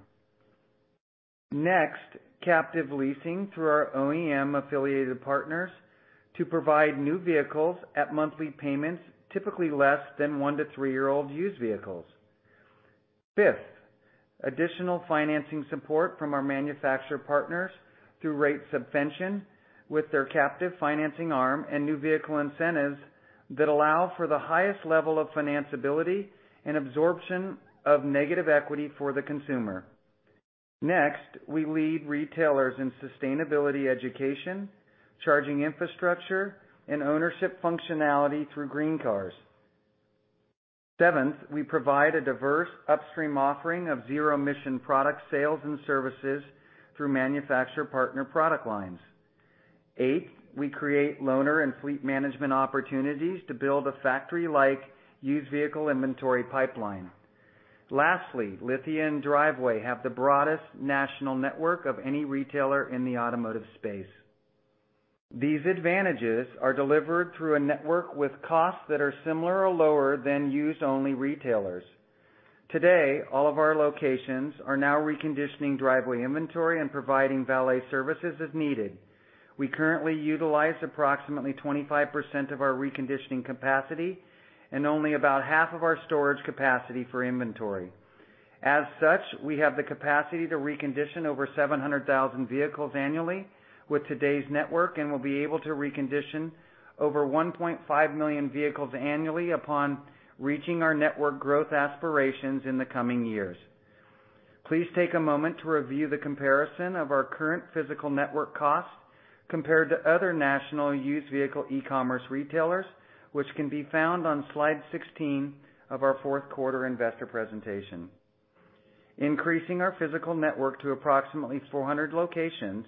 Next, captive leasing through our OEM-affiliated partners to provide new vehicles at monthly payments, typically less than one to three-year-old used vehicles. Fifth, additional financing support from our manufacturer partners through rate subvention with their captive financing arm and new vehicle incentives that allow for the highest level of financeability and absorption of negative equity for the consumer. Next, we lead retailers in sustainability education, charging infrastructure, and ownership functionality through GreenCars. Seventh, we provide a diverse upstream offering of zero-emission product sales and services through manufacturer partner product lines. Eighth, we create loaner and fleet management opportunities to build a factory-like used vehicle inventory pipeline. Lastly, Lithia and Driveway have the broadest national network of any retailer in the automotive space. These advantages are delivered through a network with costs that are similar or lower than used-only retailers. Today, all of our locations are now reconditioning Driveway inventory and providing valet services as needed. We currently utilize approximately 25% of our reconditioning capacity and only about half of our storage capacity for inventory. As such, we have the capacity to recondition over 700,000 vehicles annually with today's network and will be able to recondition over 1.5 million vehicles annually upon reaching our network growth aspirations in the coming years. Please take a moment to review the comparison of our current physical network costs compared to other national used vehicle e-commerce retailers, which can be found on slide 16 of our fourth quarter investor presentation. Increasing our physical network to approximately 400 locations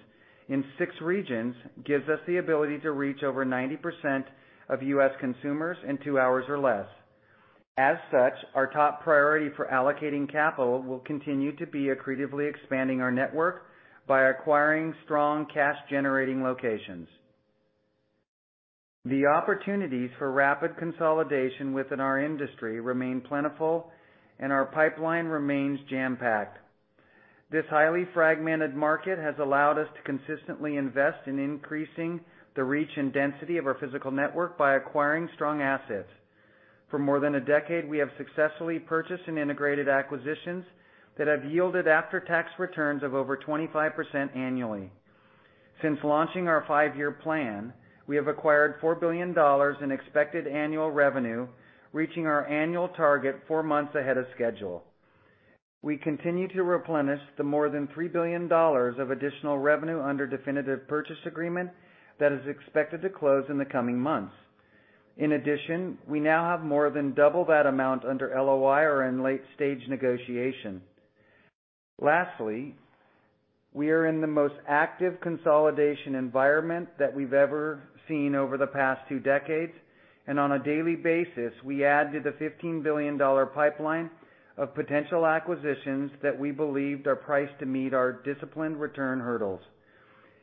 in six regions gives us the ability to reach over 90% of U.S. consumers in two hours or less. As such, our top priority for allocating capital will continue to be accretively expanding our network by acquiring strong cash-generating locations. The opportunities for rapid consolidation within our industry remain plentiful, and our pipeline remains jam-packed. This highly fragmented market has allowed us to consistently invest in increasing the reach and density of our physical network by acquiring strong assets. For more than a decade, we have successfully purchased and integrated acquisitions that have yielded after-tax returns of over 25% annually. Since launching our five-year plan, we have acquired $4 billion in expected annual revenue, reaching our annual target four months ahead of schedule. We continue to replenish the more than $3 billion of additional revenue under definitive purchase agreement that is expected to close in the coming months. In addition, we now have more than double that amount under LOI or in late-stage negotiation. Lastly, we are in the most active consolidation environment that we've ever seen over the past two decades, and on a daily basis, we add to the $15 billion pipeline of potential acquisitions that we believed are priced to meet our disciplined return hurdles.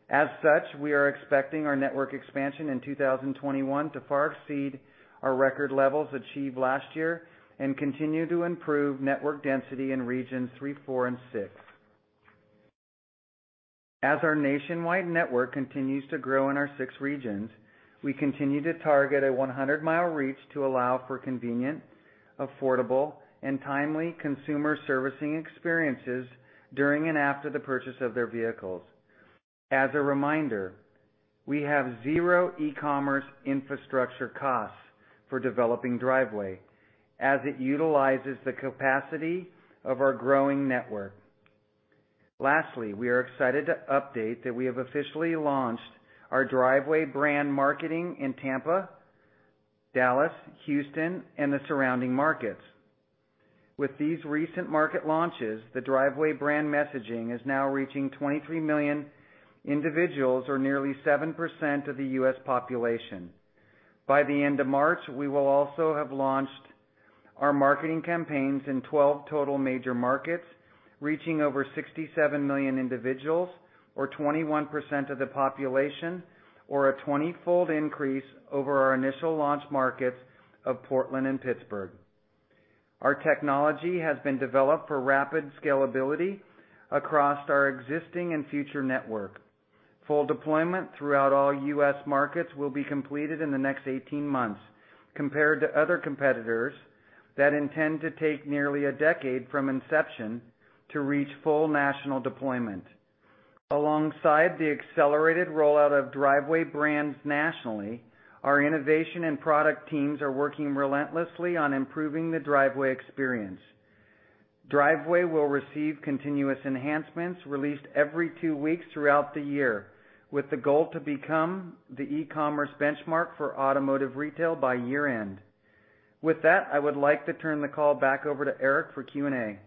As such, we are expecting our network expansion in 2021 to far exceed our record levels achieved last year and continue to improve network density in regions three, four, and six. As our nationwide network continues to grow in our six regions, we continue to target a 100-mile reach to allow for convenient, affordable, and timely consumer servicing experiences during and after the purchase of their vehicles. As a reminder, we have zero e-commerce infrastructure costs for developing Driveway as it utilizes the capacity of our growing network. Lastly, we are excited to update that we have officially launched our Driveway brand marketing in Tampa, Dallas, Houston, and the surrounding markets. With these recent market launches, the Driveway brand messaging is now reaching 23 million individuals or nearly 7% of the U.S. population. By the end of March, we will also have launched our marketing campaigns in 12 total major markets, reaching over 67 million individuals or 21% of the population, or a 20-fold increase over our initial launch markets of Portland and Pittsburgh. Our technology has been developed for rapid scalability across our existing and future network. Full deployment throughout all U.S. markets will be completed in the next 18 months compared to other competitors that intend to take nearly a decade from inception to reach full national deployment. Alongside the accelerated rollout of Driveway brands nationally, our innovation and product teams are working relentlessly on improving the Driveway experience. Driveway will receive continuous enhancements released every two weeks throughout the year with the goal to become the e-commerce benchmark for automotive retail by year-end. With that, I would like to turn the call back over to Eric for Q&A.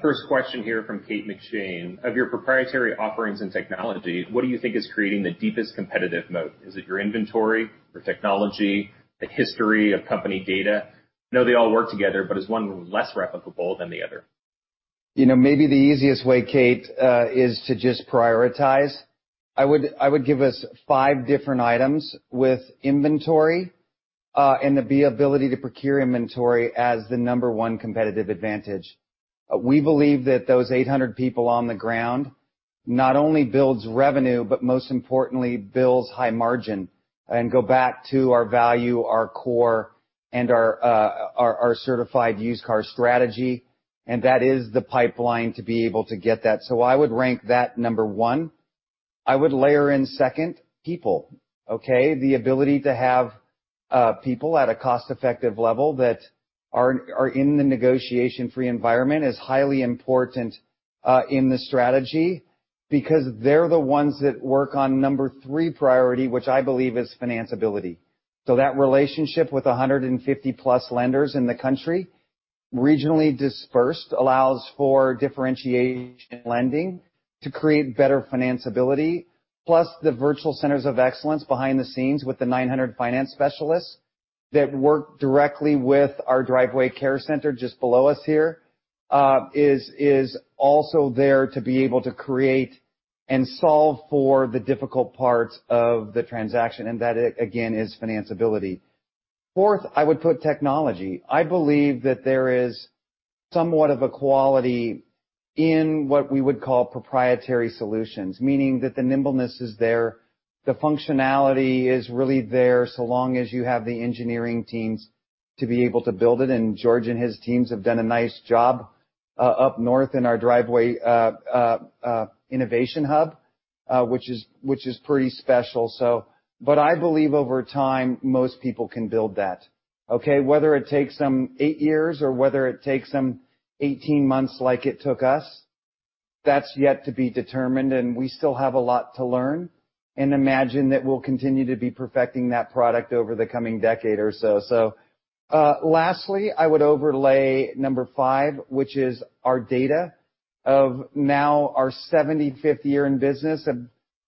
First question here from Kate McShane. Of your proprietary offerings and technology, what do you think is creating the deepest competitive moat? Is it your inventory, your technology, the history of company data? I know they all work together, but is one less replicable than the other? Maybe the easiest way, Kate, is to just prioritize. I would give us five different items with inventory and the ability to procure inventory as the number one competitive advantage. We believe that those 800 people on the ground not only builds revenue, but most importantly, builds high margin and go back to our value, our core, and our certified used car strategy. And that is the pipeline to be able to get that. So I would rank that number one. I would layer in second, people. The ability to have people at a cost-effective level that are in the negotiation-free environment is highly important in the strategy because they're the ones that work on number three priority, which I believe is financeability. So that relationship with 150-plus lenders in the country, regionally dispersed, allows for differentiation lending to create better financeability, plus the Virtual Centers of Excellence behind the scenes with the 900 finance specialists that work directly with our Driveway Care Center just below us here is also there to be able to create and solve for the difficult parts of the transaction. And that, again, is financeability. Fourth, I would put technology. I believe that there is somewhat of a quality in what we would call proprietary solutions, meaning that the nimbleness is there, the functionality is really there so long as you have the engineering teams to be able to build it. And George and his teams have done a nice job up north in our Driveway Innovation Hub, which is pretty special. But I believe over time, most people can build that. Whether it takes them eight years or whether it takes them 18 months like it took us, that's yet to be determined, and we still have a lot to learn, and imagine that we'll continue to be perfecting that product over the coming decade or so. Lastly, I would overlay number five, which is our data. Now, our 75th year in business,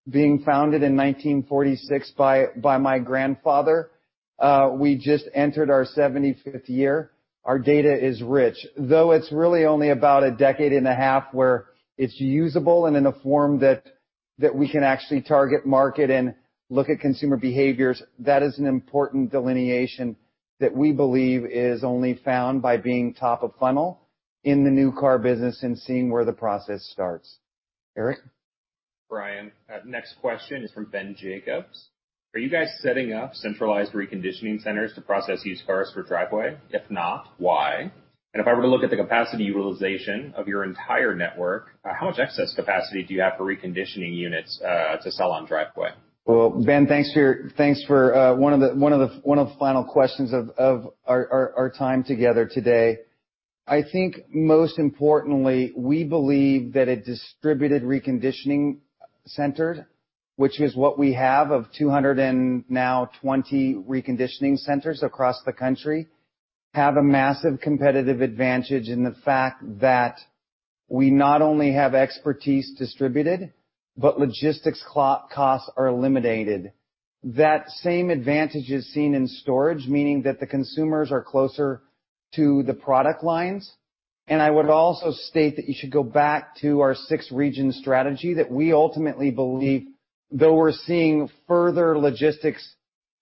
being founded in 1946 by my grandfather, we just entered our 75th year. Our data is rich, though it's really only about a decade and a half where it's usable and in a form that we can actually target market and look at consumer behaviors. That is an important delineation that we believe is only found by being top of funnel in the new car business and seeing where the process starts. Eric? Bryan, next question is from Ben Jacobs. Are you guys setting up centralized reconditioning centers to process used cars for Driveway? If not, why? And if I were to look at the capacity utilization of your entire network, how much excess capacity do you have for reconditioning units to sell on Driveway? Well, Ben, thanks for one of the final questions of our time together today. I think most importantly, we believe that a distributed reconditioning center, which is what we have of 220 reconditioning centers across the country, has a massive competitive advantage in the fact that we not only have expertise distributed, but logistics costs are eliminated. That same advantage is seen in storage, meaning that the consumers are closer to the product lines. I would also state that you should go back to our six-region strategy that we ultimately believe, though we're seeing further logistics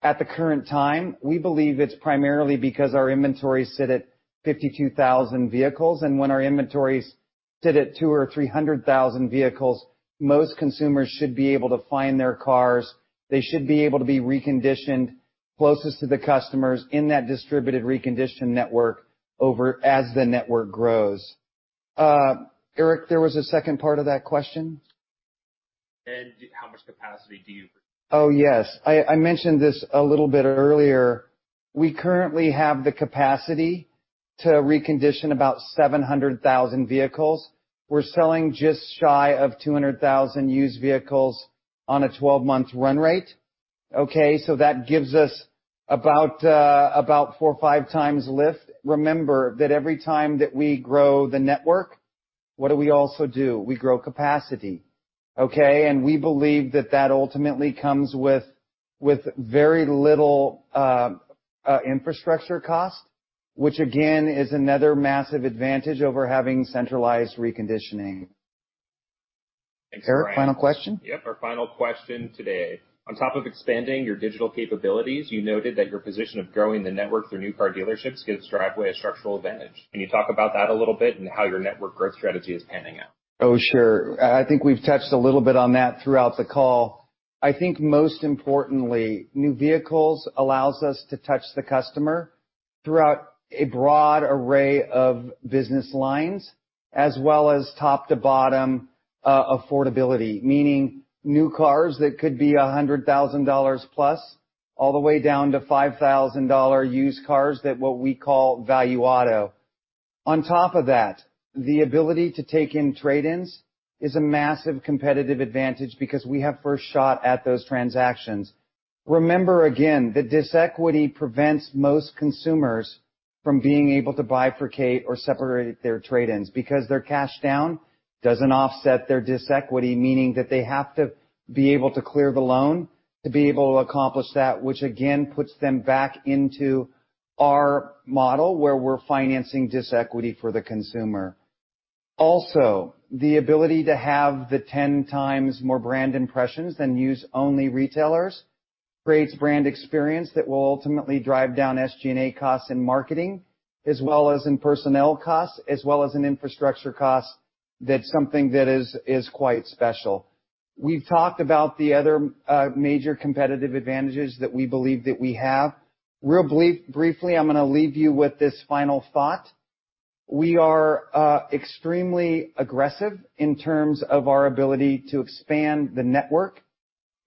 at the current time, we believe it's primarily because our inventory sit at 52,000 vehicles. When our inventories sit at 200 or 300,000 vehicles, most consumers should be able to find their cars. They should be able to be reconditioned closest to the customers in that distributed recondition network as the network grows. Eric, there was a second part of that question. How much capacity do you? Oh, yes. I mentioned this a little bit earlier. We currently have the capacity to recondition about 700,000 vehicles. We're selling just shy of 200,000 used vehicles on a 12-month run rate. So that gives us about four or five times lift. Remember that every time that we grow the network, what do we also do? We grow capacity, and we believe that that ultimately comes with very little infrastructure cost, which again is another massive advantage over having centralized reconditioning. Eric? Final question? Yep. Our final question today. On top of expanding your digital capabilities, you noted that your position of growing the network through new car dealerships gives Driveway a structural advantage. Can you talk about that a little bit and how your network growth strategy is panning out? Oh, sure. I think we've touched a little bit on that throughout the call. I think most importantly, new vehicles allows us to touch the customer throughout a broad array of business lines as well as top-to-bottom affordability, meaning new cars that could be $100,000 plus all the way down to $5,000 used cars that what we call Value Auto. On top of that, the ability to take in trade-ins is a massive competitive advantage because we have first shot at those transactions. Remember again that this equity prevents most consumers from being able to bifurcate or separate their trade-ins because their cash down doesn't offset their disequity, meaning that they have to be able to clear the loan to be able to accomplish that, which again puts them back into our model where we're financing disequity for the consumer. Also, the ability to have 10 times more brand impressions than used-only retailers creates brand experience that will ultimately drive down SG&A costs in marketing as well as in personnel costs as well as in infrastructure costs. That's something that is quite special. We've talked about the other major competitive advantages that we believe that we have. Real briefly, I'm going to leave you with this final thought. We are extremely aggressive in terms of our ability to expand the network.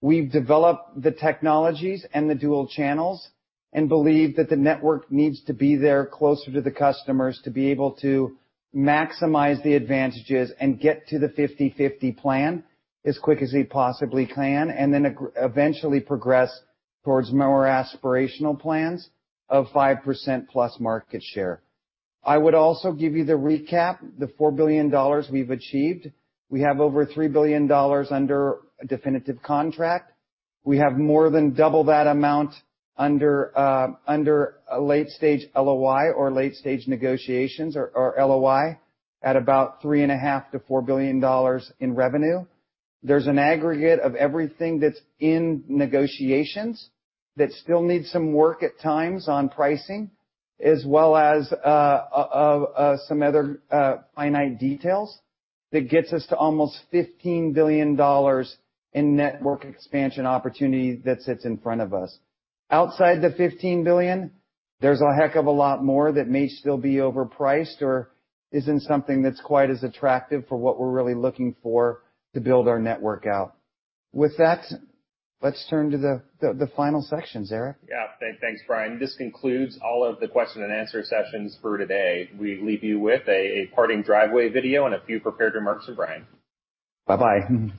We've developed the technologies and the dual channels and believe that the network needs to be there closer to the customers to be able to maximize the advantages and get to the 50/50 Plan as quick as we possibly can and then eventually progress towards more aspirational plans of 5% plus market share. I would also give you the recap. The $4 billion we've achieved. We have over $3 billion under a definitive contract. We have more than double that amount under late-stage LOI or late-stage negotiations or LOI at about $3.5-$4 billion in revenue. There's an aggregate of everything that's in negotiations that still needs some work at times on pricing as well as some other finite details that gets us to almost $15 billion in network expansion opportunity that sits in front of us. Outside the 15 billion, there's a heck of a lot more that may still be overpriced or isn't something that's quite as attractive for what we're really looking for to build our network out. With that, let's turn to the final sections, Eric. Yeah. Thanks, Bryan. This concludes all of the question-and-answer sessions for today. We leave you with a parting Driveway video and a few prepared remarks from Bryan. Bye-bye.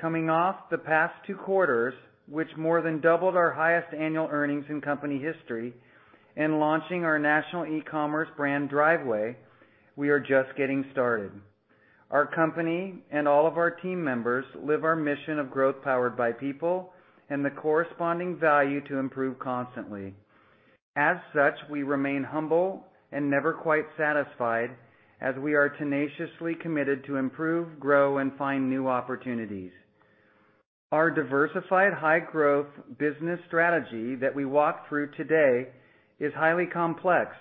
Coming off the past two quarters, which more than doubled our highest annual earnings in company history and launching our national e-commerce brand Driveway, we are just getting started. Our company and all of our team members live our mission of growth powered by people and the corresponding value to improve constantly. As such, we remain humble and never quite satisfied as we are tenaciously committed to improve, grow, and find new opportunities. Our diversified high-growth business strategy that we walk through today is highly complex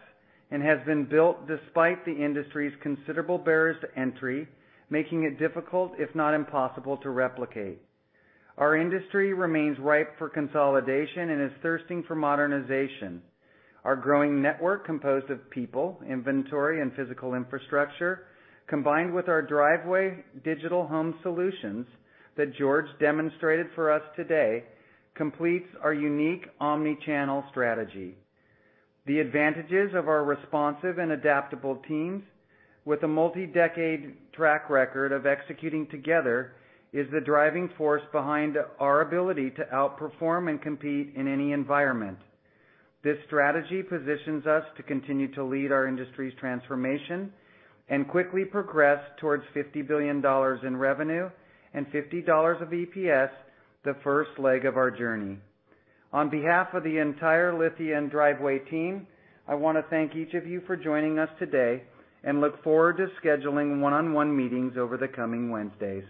and has been built despite the industry's considerable barriers to entry, making it difficult, if not impossible, to replicate. Our industry remains ripe for consolidation and is thirsting for modernization. Our growing network composed of people, inventory, and physical infrastructure, combined with our Driveway digital home solutions that George demonstrated for us today, completes our unique omnichannel strategy. The advantages of our responsive and adaptable teams, with a multi-decade track record of executing together, are the driving force behind our ability to outperform and compete in any environment. This strategy positions us to continue to lead our industry's transformation and quickly progress towards $50 billion in revenue and $50 of EPS, the first leg of our journey. On behalf of the entire Lithia and Driveway team, I want to thank each of you for joining us today and look forward to scheduling one-on-one meetings over the coming Wednesdays.